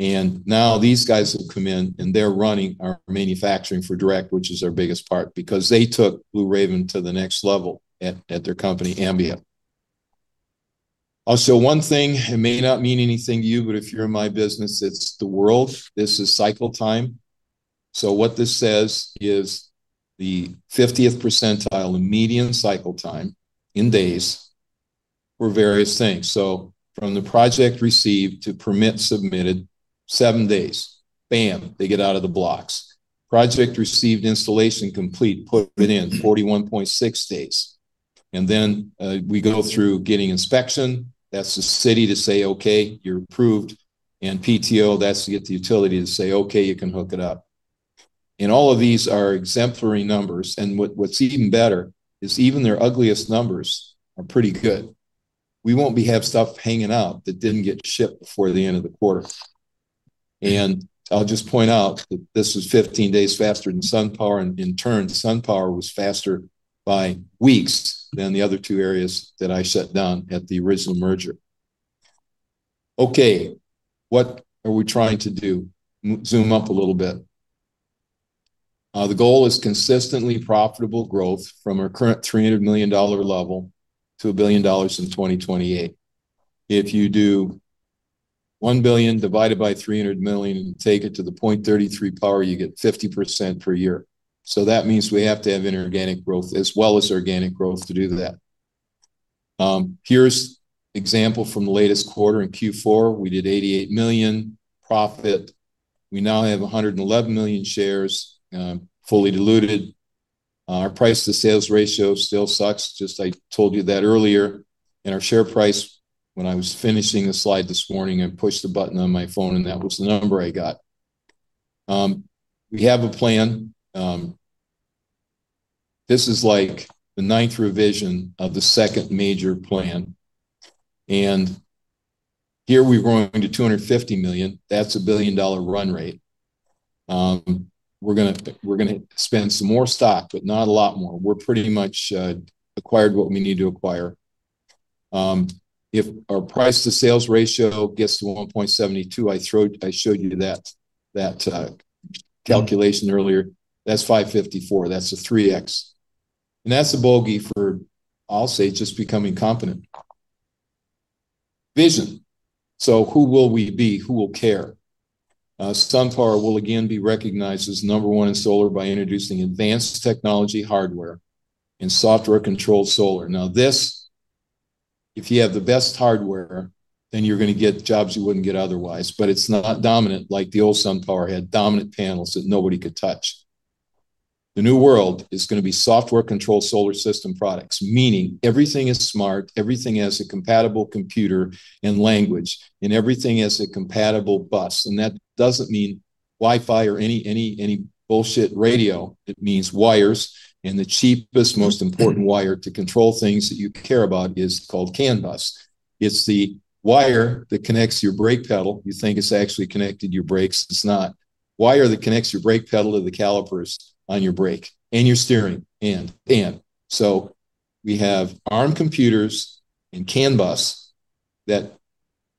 And now these guys will come in, and they're running our manufacturing for direct, which is our biggest part because they took Blue Raven to the next level at their company, Ambia. I'll show one thing. It may not mean anything to you, but if you're in my business, it's the world. This is cycle time. So what this says is the 50th percentile in median cycle time in days for various things. So from the project received to permit submitted, seven days. Bam, they get out of the blocks. Project received installation complete, put it in, 41.6 days. And then we go through getting inspection. That's the city to say, "Okay, you're approved." And PTO, that's to get the utility to say, "Okay, you can hook it up." And all of these are exemplary numbers. And what's even better is even their ugliest numbers are pretty good. We won't have stuff hanging out that didn't get shipped before the end of the quarter. And I'll just point out that this is 15 days faster than SunPower. And in turn, SunPower was faster by weeks than the other two areas that I shut down at the original merger. Okay. What are we trying to do? Zoom up a little bit. The goal is consistently profitable growth from our current $300 million level to $1 billion in 2028. If you do one billion divided by 300 million and take it to the 0.33 power, you get 50% per year. So that means we have to have inorganic growth as well as organic growth to do that. Here's an example from the latest quarter in Q4. We did $88 million profit. We now have 111 million shares fully diluted. Our price-to-sales ratio still sucks, just as I told you that earlier. And our share price, when I was finishing the slide this morning, I pushed the button on my phone, and that was the number I got. We have a plan. This is like the ninth revision of the second major plan. And here we're going to $250 million. That's a $1 billion run rate. We're going to spend some more stock, but not a lot more. We're pretty much acquired what we need to acquire. If our price-to-sales ratio gets to 1.72, I showed you that calculation earlier. That's 554. That's a 3X. And that's a bogey for, I'll say, just becoming competent. Vision. So who will we be? Who will care? SunPower will again be recognized as number one in solar by introducing advanced technology hardware and software-controlled solar. Now this, if you have the best hardware, then you're going to get jobs you wouldn't get otherwise. But it's not dominant like the old SunPower had dominant panels that nobody could touch. The new world is going to be software-controlled solar system products, meaning everything is smart. Everything has a compatible computer and language, and everything has a compatible bus. And that doesn't mean Wi-Fi or any bullshit radio. It means wires. And the cheapest, most important wire to control things that you care about is called CAN bus. It's the wire that connects your brake pedal. You think it's actually connected to your brakes. It's not. The wire that connects your brake pedal to the calipers on your brake and your steering and ABS. So we have ARM computers and CAN bus that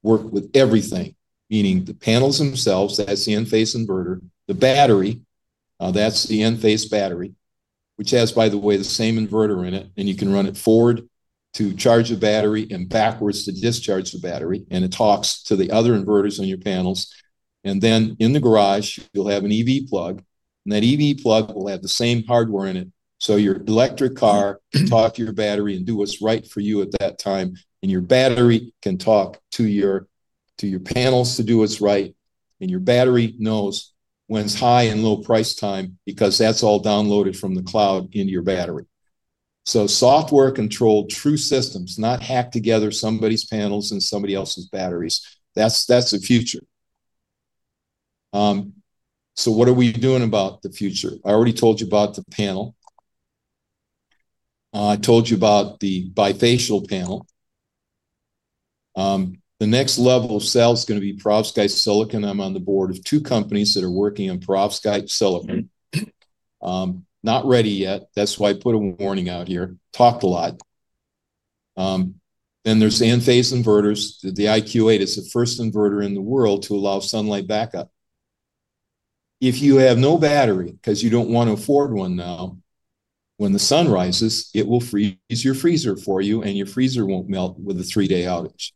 work with everything, meaning the panels themselves. That's the Enphase inverter. The battery, that's the Enphase battery, which has, by the way, the same inverter in it. And you can run it forward to charge the battery and backwards to discharge the battery. And it talks to the other inverters on your panels. And then in the garage, you'll have an EV plug. And that EV plug will have the same hardware in it. So your electric car can talk to your battery and do what's right for you at that time. And your battery can talk to your panels to do what's right. And your battery knows when it's high and low price time because that's all downloaded from the cloud into your battery. So software-controlled true systems, not hacked together somebody's panels and somebody else's batteries. That's the future. So what are we doing about the future? I already told you about the panel. I told you about the bifacial panel. The next level of sales is going to be Perovskite Silicon. I'm on the board of two companies that are working on Perovskite Silicon. Not ready yet. That's why I put a warning out here. Talked a lot. Then there's Enphase inverters. The IQ8 is the first inverter in the world to allow sunlight backup. If you have no battery because you don't want to afford one now, when the sun rises, it will freeze your freezer for you, and your freezer won't melt with a three-day outage.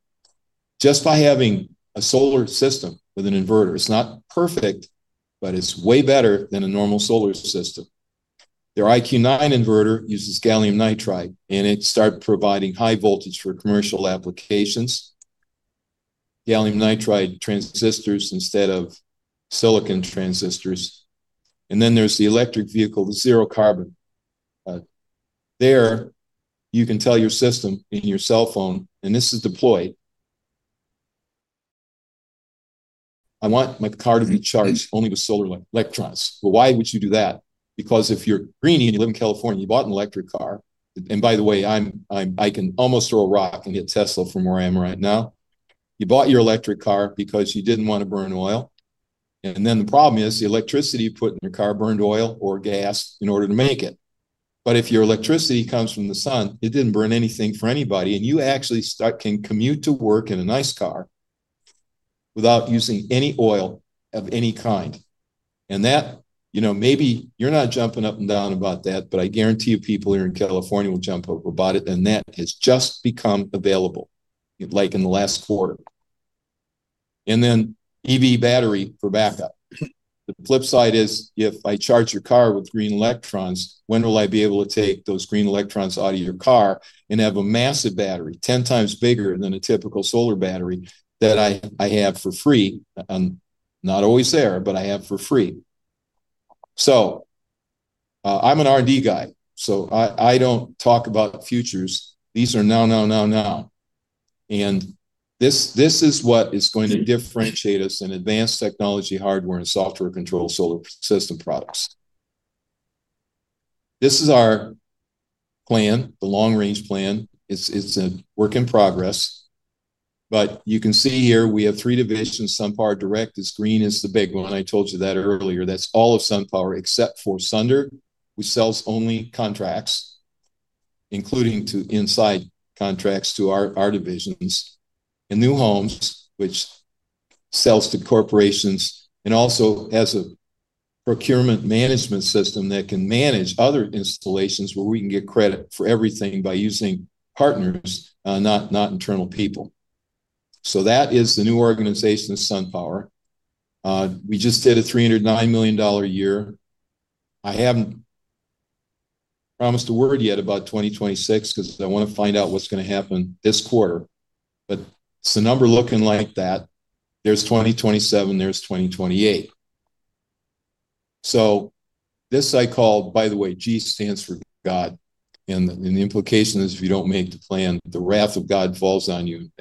Just by having a solar system with an inverter, it's not perfect, but it's way better than a normal solar system. Their IQ9 inverter uses gallium nitride, and it starts providing high voltage for commercial applications. Gallium nitride transistors instead of silicon transistors. And then there's the electric vehicle, the zero carbon. There, you can tell your system in your cell phone, and this is deployed. I want my car to be charged only with solar electrons. But why would you do that? Because if you're green and you live in California, you bought an electric car, and by the way, I can almost throw a rock and hit Tesla from where I am right now. You bought your electric car because you didn't want to burn oil, and then the problem is the electricity you put in your car burned oil or gas in order to make it. But if your electricity comes from the sun, it didn't burn anything for anybody, and you actually can commute to work in a nice car without using any oil of any kind. And that, maybe you're not jumping up and down about that, but I guarantee you people here in California will jump up about it. And that has just become available, like in the last quarter. And then EV battery for backup. The flip side is if I charge your car with green electrons, when will I be able to take those green electrons out of your car and have a massive battery, 10 times bigger than a typical solar battery that I have for free? Not always there, but I have for free. So I'm an R&D guy. So I don't talk about futures. These are now, now, now, now. And this is what is going to differentiate us in advanced technology, hardware, and software-controlled solar system products. This is our plan, the long-range plan. It's a work in progress. But you can see here we have three divisions. SunPower Direct is green, is the big one. I told you that earlier. That's all of SunPower except for Sunder. We sell only contracts, including inside contracts to our divisions. And New Homes, which sells to corporations and also has a procurement management system that can manage other installations where we can get credit for everything by using partners, not internal people. So that is the new organization of SunPower. We just did a $309 million year. I haven't promised a word yet about 2026 because I want to find out what's going to happen this quarter. But it's a number looking like that. There's 2027. There's 2028. So this I call, by the way, G stands for God. And the implication is if you don't make the plan, the wrath of God falls on you.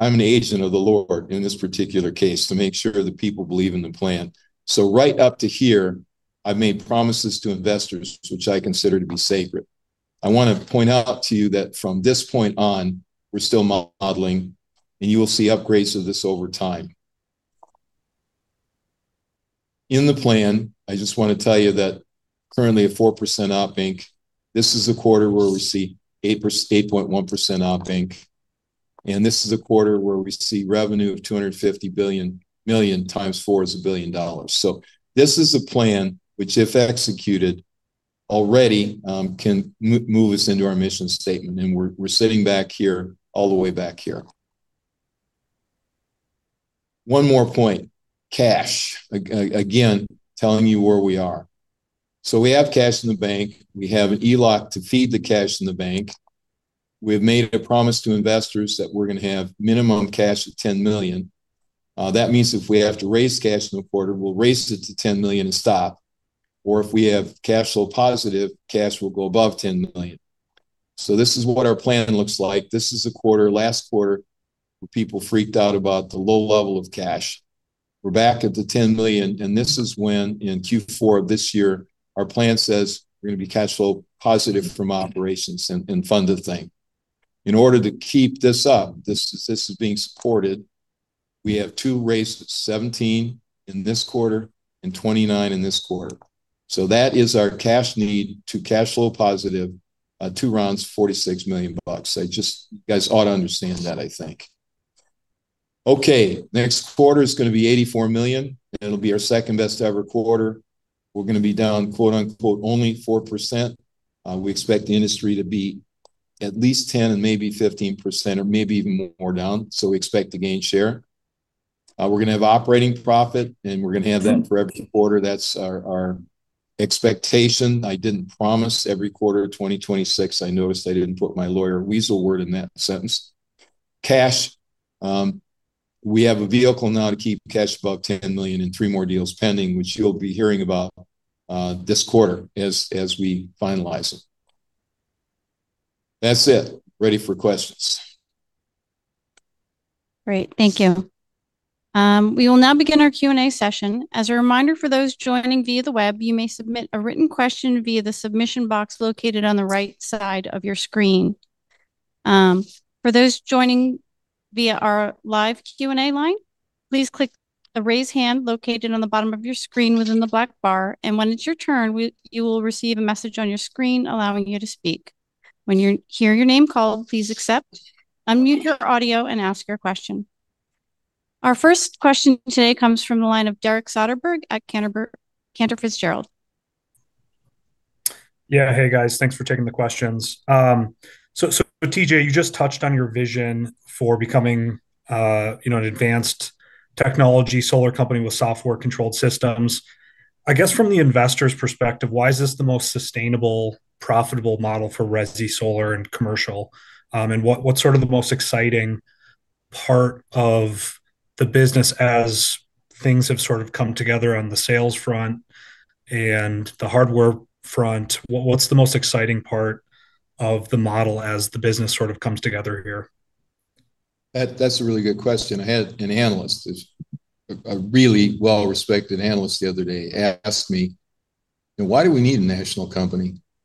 I'm an agent of the Lord in this particular case to make sure that people believe in the plan. So right up to here, I've made promises to investors, which I consider to be sacred. I want to point out to you that from this point on, we're still modeling. You will see upgrades of this over time. In the plan, I just want to tell you that currently 4% Ip inc. This is the quarter where we see 8.1% Op Inc. This is the quarter where we see revenue of $250 million times four is $1 billion. This is a plan which, if executed already, can move us into our mission statement. We're sitting back here all the way back here. One more point, cash. Again, telling you where we are. We have cash in the bank. We have an ELOC to feed the cash in the bank. We have made a promise to investors that we're going to have minimum cash of $10 million. That means if we have to raise cash in the quarter, we'll raise it to $10 million and stop. Or if we have cash flow positive, cash will go above $10 million. So this is what our plan looks like. This is the quarter, last quarter, where people freaked out about the low level of cash. We're back at the $10 million, and this is when in Q4 of this year, our plan says we're going to be cash flow positive from operations and fund a thing. In order to keep this up, this is being supported. We have two raises, $17 million in this quarter and $29 million in this quarter. So that is our cash need to cash flow positive, two rounds, $46 million. You guys ought to understand that, I think. Okay. Next quarter is going to be $84 million. And it'll be our second best-ever quarter. We're going to be down, quote-unquote, only 4%. We expect the industry to be at least 10% and maybe 15% or maybe even more down. So we expect to gain share. We're going to have operating profit, and we're going to have that for every quarter. That's our expectation. I didn't promise every quarter of 2026. I noticed I didn't put my lawyer weasel word in that sentence. Cash. We have a vehicle now to keep cash above $10 million and three more deals pending, which you'll be hearing about this quarter as we finalize it. That's it. Ready for questions. Great. Thank you. We will now begin our Q&A session. As a reminder, for those joining via the web, you may submit a written question via the submission box located on the right side of your screen. For those joining via our live Q&A line, please click the raise hand located on the bottom of your screen within the black bar. And when it's your turn, you will receive a message on your screen allowing you to speak. When you hear your name called, please accept, unmute your audio, and ask your question. Our first question today comes from the line of Derek Soderberg at Cantor Fitzgerald. Yeah. Hey, guys. Thanks for taking the questions. So T.J., you just touched on your vision for becoming an advanced technology solar company with software-controlled systems. I guess from the investor's perspective, why is this the most sustainable, profitable model for resi solar and commercial? And what's sort of the most exciting part of the business as things have sort of come together on the sales front and the hardware front? What's the most exciting part of the model as the business sort of comes together here? That's a really good question. I had an analyst, a really well-respected analyst the other day,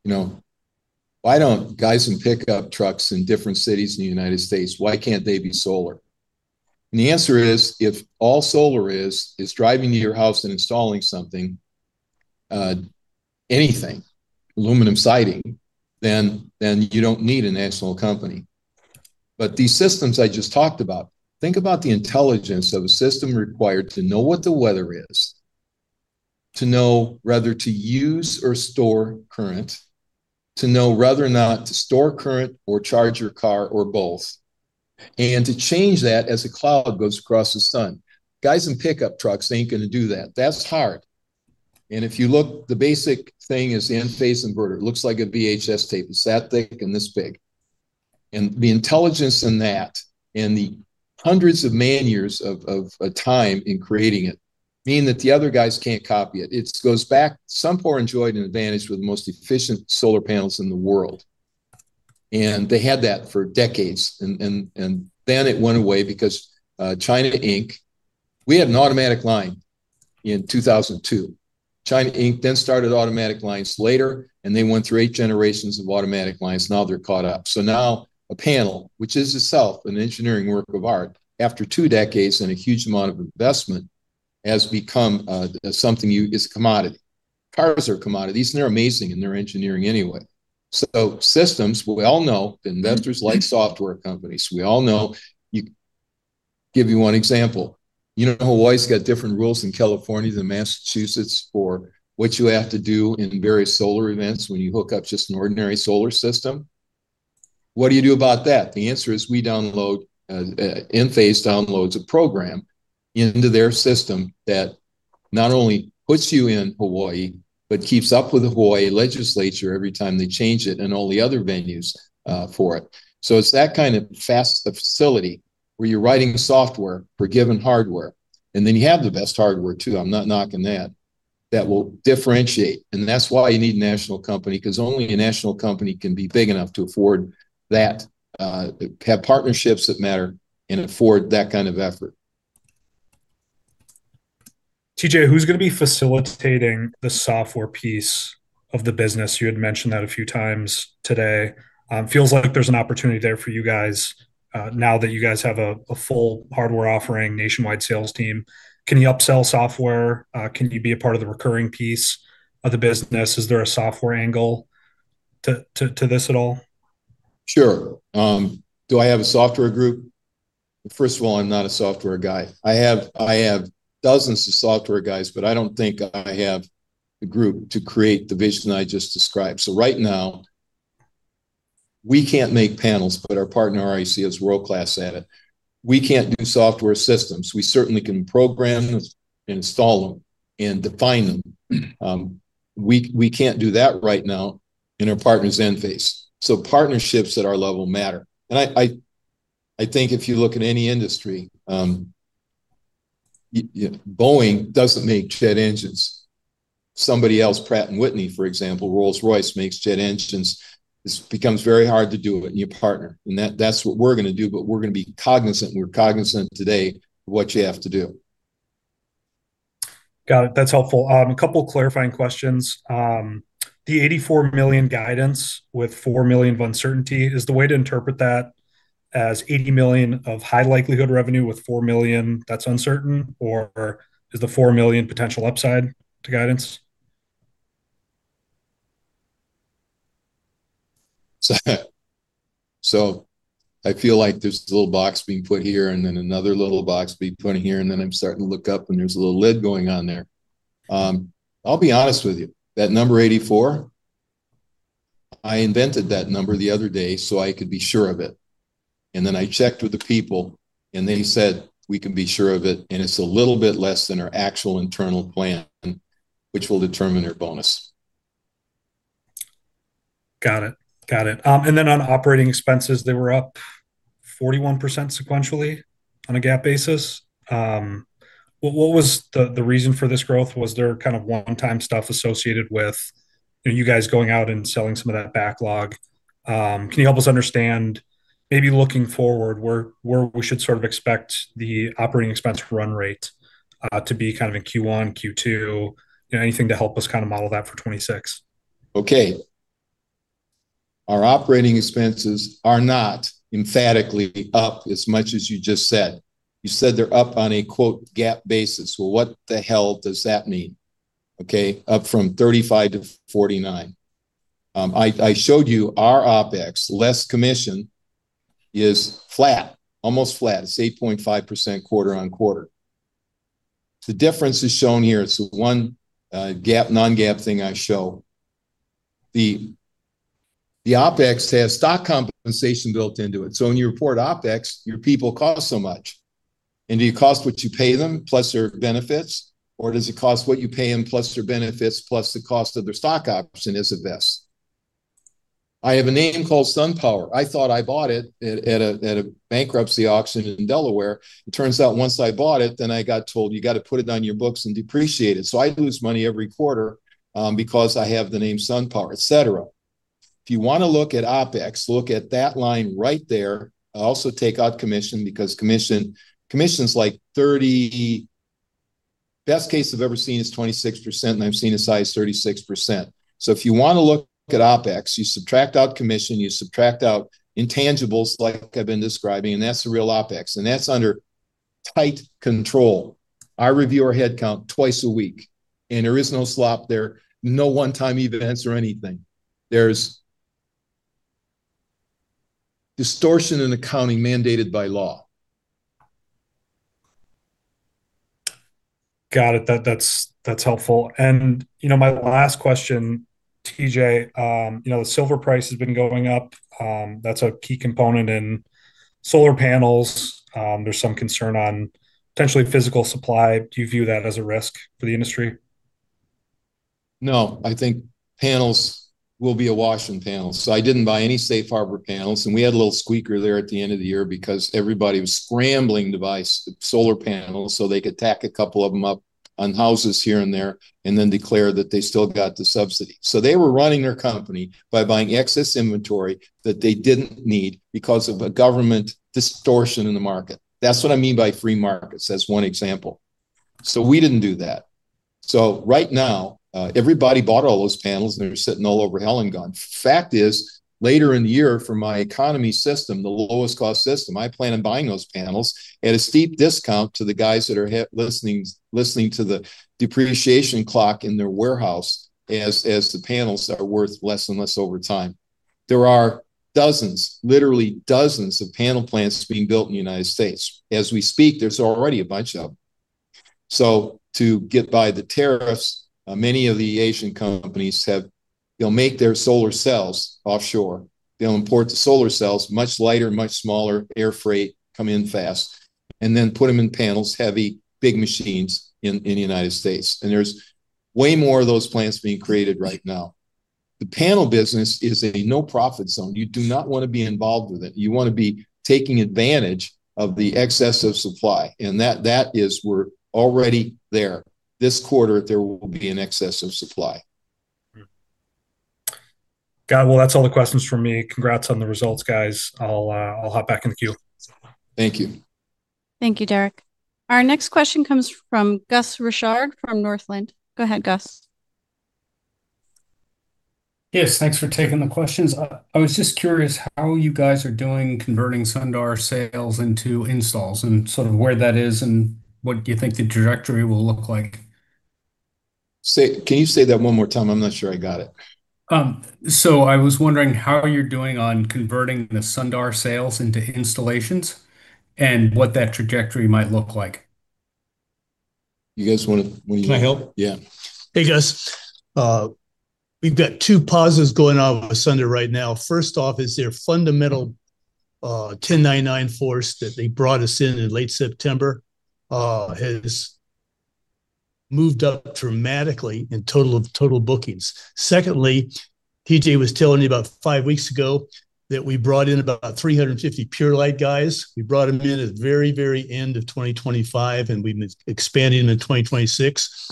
ask me, "Why do we need a national company? Why don't guys who pick up trucks in different cities in the United States, why can't they be solar?" And the answer is, if all solar is driving to your house and installing something, anything, aluminum siding, then you don't need a national company. But these systems I just talked about, think about the intelligence of a system required to know what the weather is, to know whether to use or store current, to know whether or not to store current or charge your car or both, and to change that as the cloud goes across the sun. Guys in pickup trucks ain't going to do that. That's hard. And if you look, the basic thing is the Enphase inverter. It looks like a VHS tape. It's that thick and this big, and the intelligence in that and the hundreds of man years of time in creating it mean that the other guys can't copy it. It goes back. SunPower enjoyed an advantage with the most efficient solar panels in the world, and they had that for decades. Then it went away because China Inc. We had an automatic line in 2002. China Inc. then started automatic lines later, and they went through eight generations of automatic lines. Now they're caught up. So now a panel, which is itself an engineering work of art, after two decades and a huge amount of investment, has become something you use is a commodity. Cars are a commodity. These are amazing in their engineering anyway. So systems, we all know investors like software companies. We all know. Give you one example. You know Hawaii's got different rules in California than Massachusetts for what you have to do in various solar events when you hook up just an ordinary solar system. What do you do about that? The answer is we download. Enphase downloads a program into their system that not only puts you in Hawaii, but keeps up with the Hawaii legislature every time they change it and all the other venues for it. So it's that kind of flexibility where you're writing software for given hardware. And then you have the best hardware too. I'm not knocking that. That will differentiate. And that's why you need a national company because only a national company can be big enough to afford that, have partnerships that matter, and afford that kind of effort. T.J., who's going to be facilitating the software piece of the business? You had mentioned that a few times today. Feels like there's an opportunity there for you guys now that you guys have a full hardware offering, nationwide sales team. Can you upsell software? Can you be a part of the recurring piece of the business? Is there a software angle to this at all? Sure. Do I have a software group? First of all, I'm not a software guy. I have dozens of software guys, but I don't think I have the group to create the vision I just described. So right now, we can't make panels, but our partner REC is world-class at it. We can't do software systems. We certainly can program them, install them, and define them. We can't do that right now in our partner Enphase. So partnerships at our level matter. And I think if you look at any industry, Boeing doesn't make jet engines. Somebody else, Pratt and Whitney, for example, Rolls-Royce makes jet engines. It becomes very hard to do it in your partner. And that's what we're going to do, but we're going to be cognizant. We're cognizant today of what you have to do. Got it. That's helpful. A couple of clarifying questions. The $84 million guidance with $4 million of uncertainty, is the way to interpret that as $80 million of high likelihood revenue with $4 million that's uncertain? Or is the $4 million potential upside to guidance? So I feel like there's a little box being put here and then another little box being put here. And then I'm starting to look up and there's a little lid going on there. I'll be honest with you. That number 84, I invented that number the other day so I could be sure of it. And then I checked with the people and they said, "We can be sure of it." And it's a little bit less than our actual internal plan, which will determine our bonus. Got it. Got it. And then on operating expenses, they were up 41% sequentially on a GAAP basis. What was the reason for this growth? Was there kind of one-time stuff associated with you guys going out and selling some of that backlog? Can you help us understand maybe looking forward where we should sort of expect the operating expense run rate to be kind of in Q1, Q2? Anything to help us kind of model that for 2026? Okay. Our operating expenses are not emphatically up as much as you just said. You said they're up on a, quote, GAAP basis. Well, what the hell does that mean? Okay. Up from 35 to 49. I showed you our OpEx, less commission is flat, almost flat. It's 8.5% quarter on quarter. The difference is shown here. It's the one non-GAAP thing I show. The OpEx has stock compensation built into it. So when you report OpEx, your people cost so much. And do you cost what you pay them plus their benefits? Or does it cost what you pay them plus their benefits plus the cost of their stock option as it vests? I have a name called SunPower. I thought I bought it at a bankruptcy auction in Delaware. It turns out once I bought it, then I got told you got to put it on your books and depreciate it, so I lose money every quarter because I have the name SunPower, etc. If you want to look at OpEx, look at that line right there. I also take out commission because commission is like 30%. Best case I've ever seen is 26%, and I've seen as high as 36%, so if you want to look at OpEx, you subtract out commission, you subtract out intangibles like I've been describing, and that's the real OpEx, and that's under tight control. I review our headcount twice a week, and there is no slop there, no one-time events or anything. There's distortion in accounting mandated by law. Got it. That's helpful. And my last question, T.J., the silver price has been going up. That's a key component in solar panels. There's some concern on potentially physical supply. Do you view that as a risk for the industry? No. I think panels will be a wash in panels. So I didn't buy any Safe Harbor panels. And we had a little squeaker there at the end of the year because everybody was scrambling to buy solar panels so they could tack a couple of them up on houses here and there and then declare that they still got the subsidy. So they were running their company by buying excess inventory that they didn't need because of a government distortion in the market. That's what I mean by free markets as one example. So we didn't do that. So right now, everybody bought all those panels and they're sitting all over hell and gone. Fact is, later in the year for my economy system, the lowest cost system, I plan on buying those panels at a steep discount to the guys that are listening to the depreciation clock in their warehouse as the panels are worth less and less over time. There are dozens, literally dozens of panel plants being built in the United States. As we speak, there's already a bunch of them, so to get by the tariffs, many of the Asian companies will make their solar cells offshore. They'll import the solar cells, much lighter, much smaller, air freight, come in fast, and then put them in panels, heavy, big machines in the United States, and there's way more of those plants being created right now. The panel business is a no-profit zone. You do not want to be involved with it. You want to be taking advantage of the excess of supply, and that is, we're already there. This quarter, there will be an excess of supply. Got it. Well, that's all the questions for me. Congrats on the results, guys. I'll hop back in the queue. Thank you. Thank you, Derek. Our next question comes from Gus Richard from Northland. Go ahead, Gus. Yes. Thanks for taking the questions. I was just curious how you guys are doing converting Sunder sales into installs and sort of where that is and what you think the trajectory will look like? Can you say that one more time? I'm not sure I got it. I was wondering how you're doing on converting the Sunder sales into installations and what that trajectory might look like? You guys want to. Can I help? Yeah. Hey, guys. We've got two phases going on with Sunder right now. First off, their fundamental 1099 sales force that they brought us in in late September has moved up dramatically in total bookings. Secondly, T.J. was telling me about five weeks ago that we brought in about 350 Purelight guys. We brought them in at the very, very end of 2025, and we've been expanding in 2026.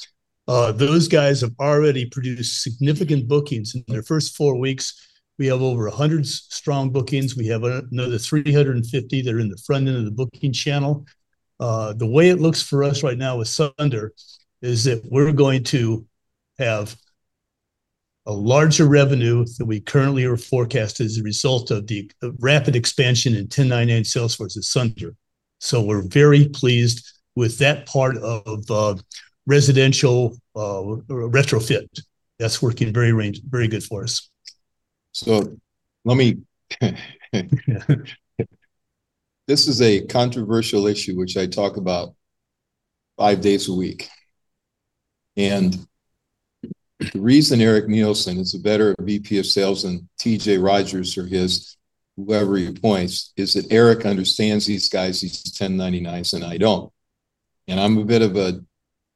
Those guys have already produced significant bookings. In their first four weeks, we have over 100 strong bookings. We have another 350 that are in the front end of the booking channel. The way it looks for us right now with Sunder is that we're going to have a larger revenue than we currently are forecast as a result of the rapid expansion in 1099 sales force at Sunder. So we're very pleased with that part of residential retrofit. That's working very good for us. So let me. This is a controversial issue which I talk about five days a week. And the reason Eric Nielsen is a better VP of sales than T.J. Rogers or his, whoever he appoints, is that Eric understands these guys' 1099s and I don't. And I'm a bit of a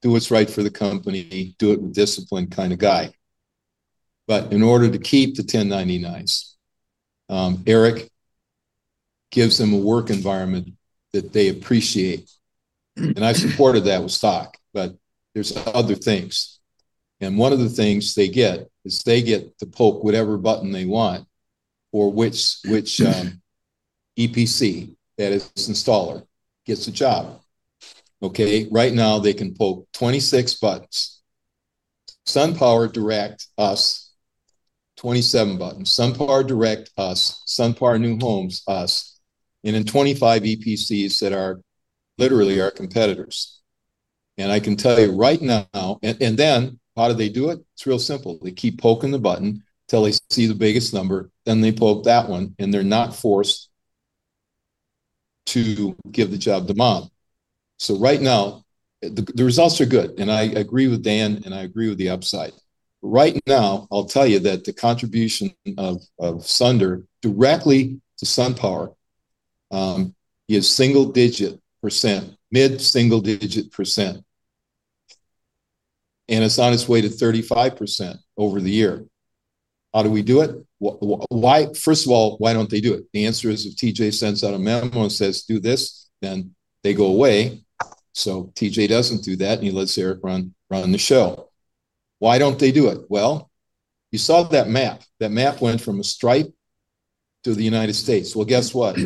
do what's right for the company, do it with discipline kind of guy. But in order to keep the 1099s, Eric gives them a work environment that they appreciate. And I supported that with stock, but there's other things. And one of the things they get is they get to poke whatever button they want or which EPC, that is, installer gets the job. Okay? Right now, they can poke 26 buttons. SunPower Direct is 27 buttons. SunPower Direct is, SunPower New Homes is, and then 25 EPCs that are literally our competitors. I can tell you right now, and then how do they do it? It's real simple. They keep poking the button until they see the biggest number, then they poke that one, and they're not forced to give the job to mom. Right now, the results are good. I agree with Dan, and I agree with the upside. Right now, I'll tell you that the contribution of Sunder directly to SunPower is single-digit %, mid-single-digit %. It's on its way to 35% over the year. How do we do it? First of all, why don't they do it? The answer is if T.J. sends out a memo and says, "Do this," then they go away. T.J. doesn't do that, and he lets Eric run the show. Why don't they do it? Well, you saw that map. That map went from a stripe to the United States. Well, guess what?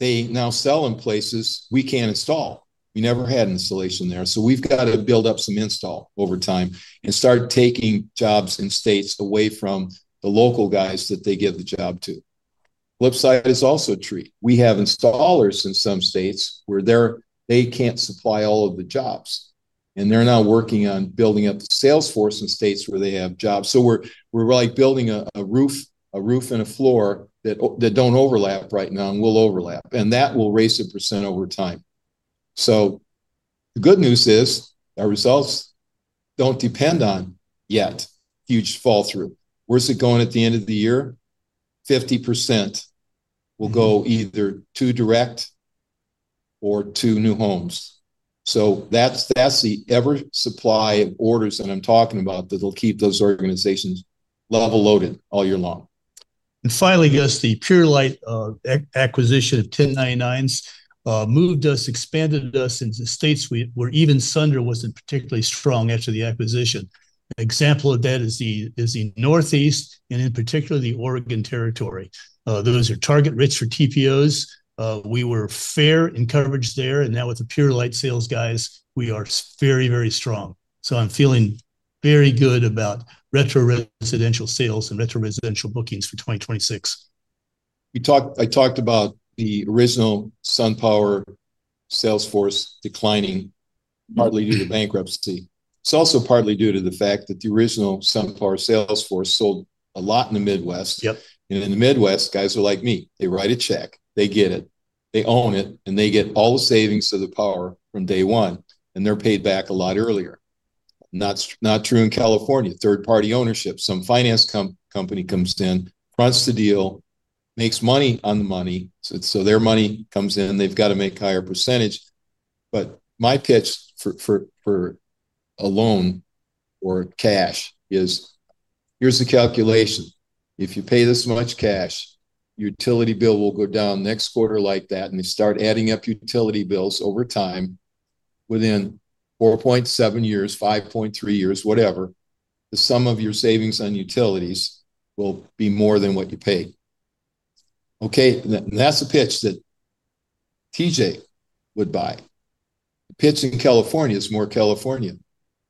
They now sell in places we can't install. We never had installation there. So we've got to build up some install over time and start taking jobs in states away from the local guys that they give the job to. Flip side is also a treat. We have installers in some states where they can't supply all of the jobs. And they're now working on building up the sales force in states where they have jobs. So we're like building a roof and a floor that don't overlap right now and will overlap. And that will raise a % over time. So the good news is our results don't depend on yet huge fall through. Where's it going at the end of the year? 50% will go either to direct or to New Homes. So that's the evergreen supply of orders that I'm talking about that'll keep those organizations level loaded all year long. Finally, guys, the Purelight Power acquisition of 1099s moved us, expanded us into states where even Sunder wasn't particularly strong after the acquisition. An example of that is the Northeast and in particular the Oregon territory. Those are target rich for TPOs. We were fair in coverage there. And now with the Purelight Power sales guys, we are very, very strong. So I'm feeling very good about our residential sales and our residential bookings for 2026. I talked about the original SunPower sales force declining partly due to bankruptcy. It's also partly due to the fact that the original SunPower sales force sold a lot in the Midwest, and in the Midwest, guys are like me. They write a check. They get it. They own it, and they get all the savings of the power from day one, and they're paid back a lot earlier. Not true in California. Third-party ownership. Some finance company comes in, runs the deal, makes money on the money, so their money comes in. They've got to make a higher percentage, but my pitch for a loan or cash is, here's the calculation. If you pay this much cash, your utility bill will go down next quarter, like that, and they start adding up utility bills over time. Within 4.7 years, 5.3 years, whatever, the sum of your savings on utilities will be more than what you paid. Okay? And that's a pitch that T.J. would buy. The pitch in California is more California.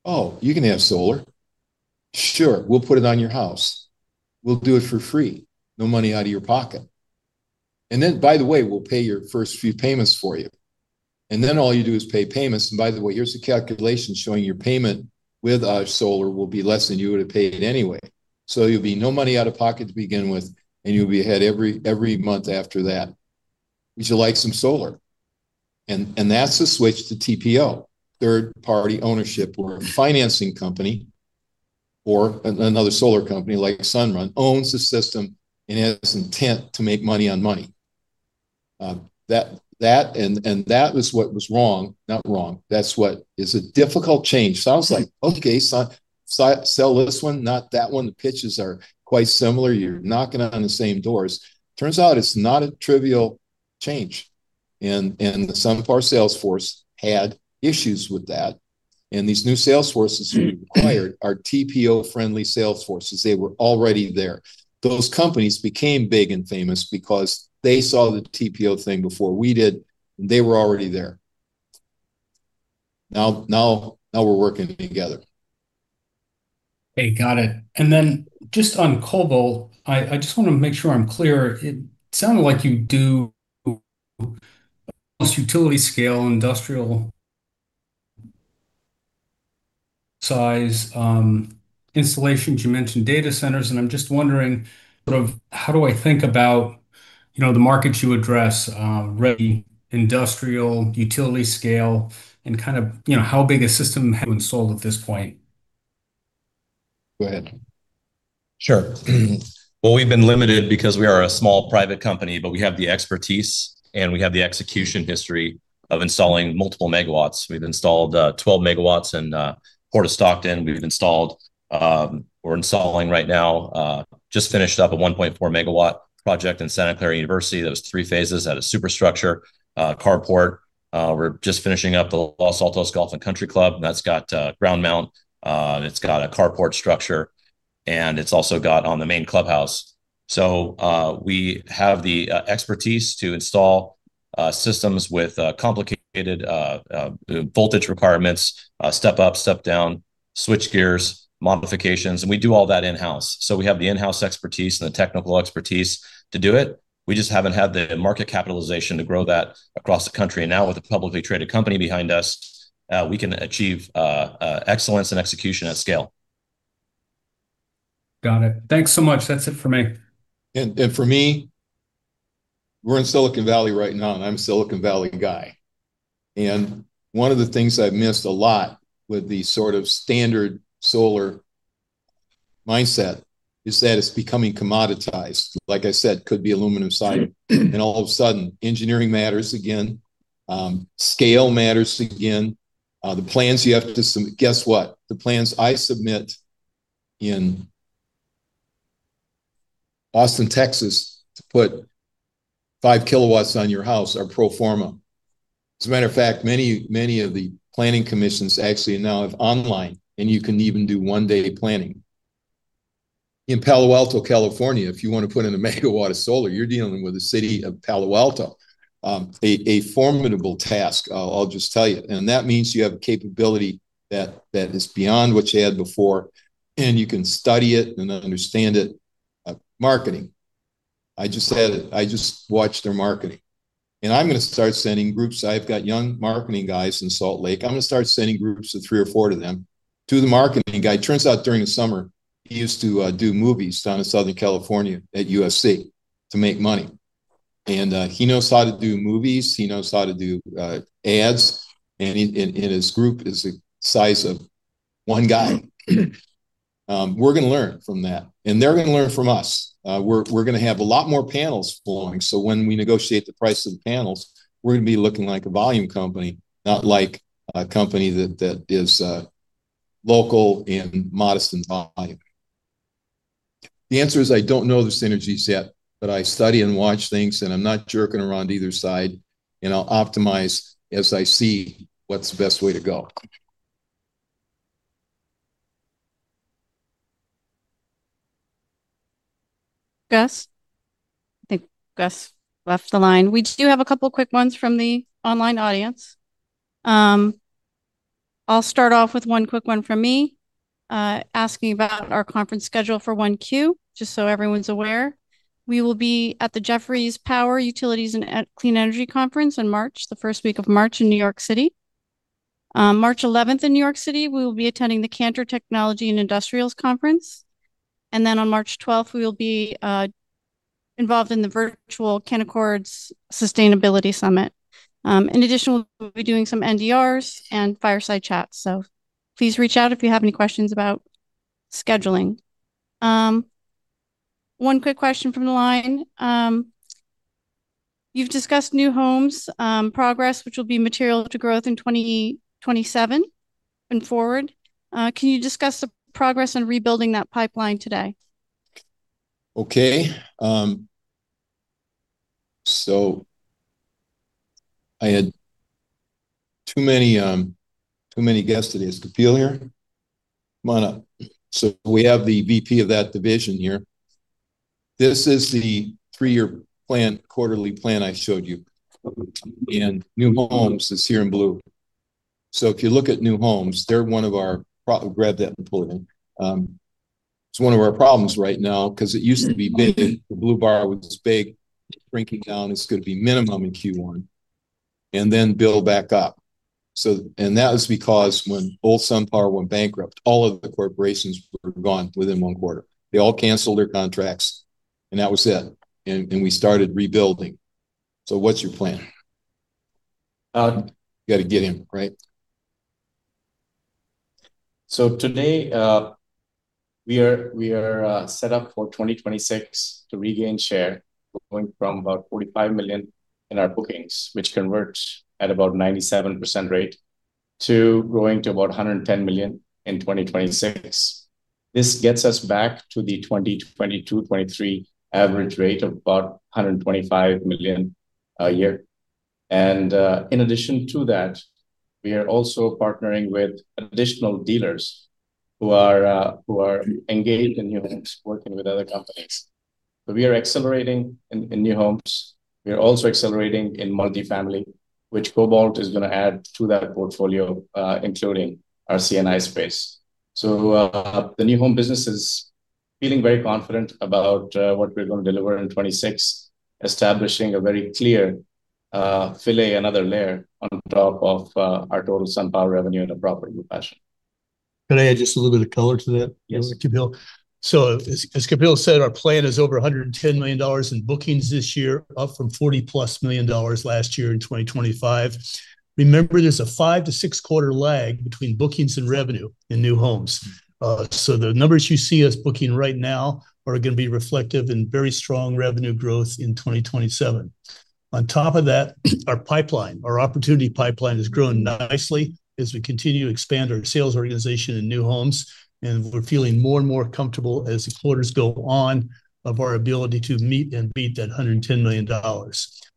"Oh, you can have solar." "Sure. We'll put it on your house. We'll do it for free. No money out of your pocket." And then, by the way, we'll pay your first few payments for you. And then all you do is pay payments. And by the way, here's the calculation showing your payment with our solar will be less than you would have paid anyway. So you'll be no money out of pocket to begin with, and you'll be ahead every month after that. Would you like some solar? And that's the switch to TPO. Third-party ownership where a financing company or another solar company like Sunrun owns the system and has intent to make money on money. That was what was wrong, not wrong. That's what is a difficult change. Sounds like, okay, sell this one, not that one. The pitches are quite similar. You're knocking on the same doors. Turns out it's not a trivial change. And the SunPower sales force had issues with that. And these new sales forces we acquired are TPO-friendly sales forces. They were already there. Those companies became big and famous because they saw the TPO thing before we did, and they were already there. Now we're working together. Hey, got it. And then just on Cobalt, I just want to make sure I'm clear. It sounded like you do almost utility scale, industrial size installations. You mentioned data centers. And I'm just wondering sort of how do I think about the markets you address, residential, industrial, utility scale, and kind of how big a system to install at this point? Go ahead. Sure. Well, we've been limited because we are a small private company, but we have the expertise, and we have the execution history of installing multiple megawatts. We've installed 12 megawatts in Port of Stockton. We're installing right now, just finished up a 1.4 megawatt project in Santa Clara University. That was three phases. That is superstructure, carport. We're just finishing up the Los Altos Golf and Country Club. And that's got ground mount. It's got a carport structure. And it's also got on the main clubhouse. So we have the expertise to install systems with complicated voltage requirements, step up, step down, switchgear, modifications. And we do all that in-house. So we have the in-house expertise and the technical expertise to do it. We just haven't had the market capitalization to grow that across the country. Now with a publicly traded company behind us, we can achieve excellence and execution at scale. Got it. Thanks so much. That's it for me. And for me, we're in Silicon Valley right now, and I'm a Silicon Valley guy. And one of the things I've missed a lot with the sort of standard solar mindset is that it's becoming commoditized. Like I said, could be aluminum siding. And all of a sudden, engineering matters again. Scale matters again. The plans you have to submit, guess what? The plans I submit in Austin, Texas, to put five kilowatts on your house are pro forma. As a matter of fact, many of the planning commissions actually now have online, and you can even do one-day planning. In Palo Alto, California, if you want to put in a megawatt of solar, you're dealing with the city of Palo Alto. A formidable task, I'll just tell you. And that means you have capability that is beyond what you had before. And you can study it and understand it. Marketing. I just watched their marketing. And I'm going to start sending groups. I've got young marketing guys in Salt Lake. I'm going to start sending groups of three or four of them to the marketing guy. Turns out during the summer, he used to do movies down in Southern California at USC to make money. And he knows how to do movies. He knows how to do ads. And his group is the size of one guy. We're going to learn from that. And they're going to learn from us. We're going to have a lot more panels flowing. So when we negotiate the price of the panels, we're going to be looking like a volume company, not like a company that is local and modest in volume. The answer is I don't know the synergy set, but I study and watch things, and I'm not jerking around either side, and I'll optimize as I see what's the best way to go. Gus? I think Gus left the line. We do have a couple of quick ones from the online audience. I'll start off with one quick one from me, asking about our conference schedule for 1Q, just so everyone's aware. We will be at the Jefferies Power, Utilities, and Clean Energy Conference in March, the first week of March in New York City. March 11th in New York City, we will be attending the Cantor Technology and Industrials Conference, and then on March 12th, we will be involved in the virtual Canaccord Sustainability Summit. In addition, we'll be doing some NDRs and fireside chats. So please reach out if you have any questions about scheduling. One quick question from the line. You've discussed New Homes progress, which will be material to growth in 2027 and forward. Can you discuss the progress in rebuilding that pipeline today? Okay. So I had too many guests today. Is Cuthelia here? Come on up. So we have the VP of that division here. This is the three-year plan, quarterly plan I showed you. And New Homes is here in blue. So if you look at New Homes, they're one of our grab that and pull it in. It's one of our problems right now because it used to be big. The blue bar was big, shrinking down. It's going to be minimum in Q1 and then build back up. And that was because when Old SunPower went bankrupt, all of the corporations were gone within one quarter. They all canceled their contracts, and that was it. And we started rebuilding. So what's your plan? You got to get in, right? So today, we are set up for 2026 to regain share going from about $45 million in our bookings, which converts at about 97% rate, to growing to about $110 million in 2026. This gets us back to the 2022, 2023 average rate of about $125 million a year. And in addition to that, we are also partnering with additional dealers who are engaged in units working with other companies. So we are accelerating in New Homes. We are also accelerating in multifamily, which Cobalt is going to add to that portfolio, including our C&I space. So the new home business is feeling very confident about what we're going to deliver in 2026, establishing a very clear fillet and other layer on top of our total SunPower revenue in a proper new fashion. Can I add just a little bit of color to that? Yes. So as Cuthelia said, our plan is over $110 million in bookings this year, up from $40-plus million last year in 2025. Remember, there's a five- to six-quarter lag between bookings and revenue in New Homes. So the numbers you see us booking right now are going to be reflective in very strong revenue growth in 2027. On top of that, our pipeline, our opportunity pipeline has grown nicely as we continue to expand our sales organization in New Homes. And we're feeling more and more comfortable as the quarters go on of our ability to meet and beat that $110 million.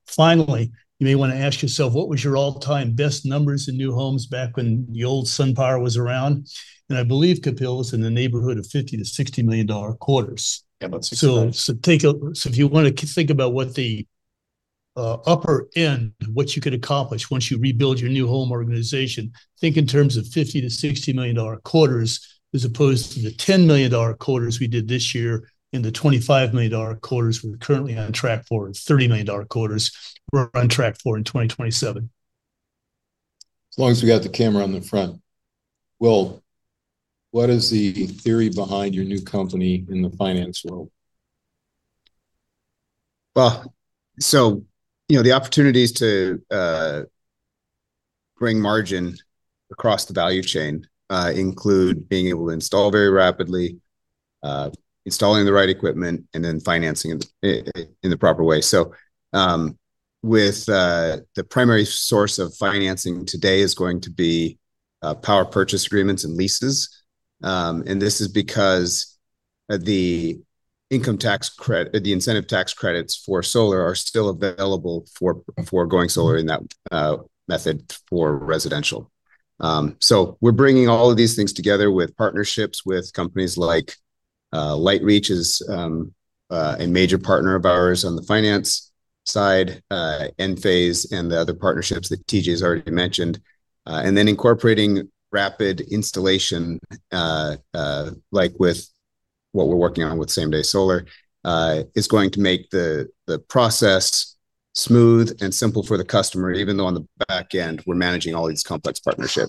Finally, you may want to ask yourself, what was your all-time best numbers in New Homes back when the old SunPower was around? And I believe Cuthelia's in the neighborhood of $50-$60 million quarters. Yeah, about six quarters. So if you want to think about what the upper end, what you could accomplish once you rebuild your new home organization, think in terms of $50-$60 million quarters as opposed to the $10 million quarters we did this year and the $25 million quarters we're currently on track for, and $30 million quarters we're on track for in 2027. As long as we got the camera on the front. Will, what is the theory behind your new company in the finance world? So the opportunities to bring margin across the value chain include being able to install very rapidly, installing the right equipment, and then financing in the proper way. The primary source of financing today is going to be power purchase agreements and leases. This is because the Investment Tax Credit, the incentive tax credits for solar, are still available for going solar in that method for residential. We're bringing all of these things together with partnerships with companies like LightReach, a major partner of ours on the finance side, Enphase, and the other partnerships that T.J. has already mentioned. Then incorporating rapid installation like with what we're working on with Same Day Solar is going to make the process smooth and simple for the customer, even though on the back end, we're managing all these complex partnerships.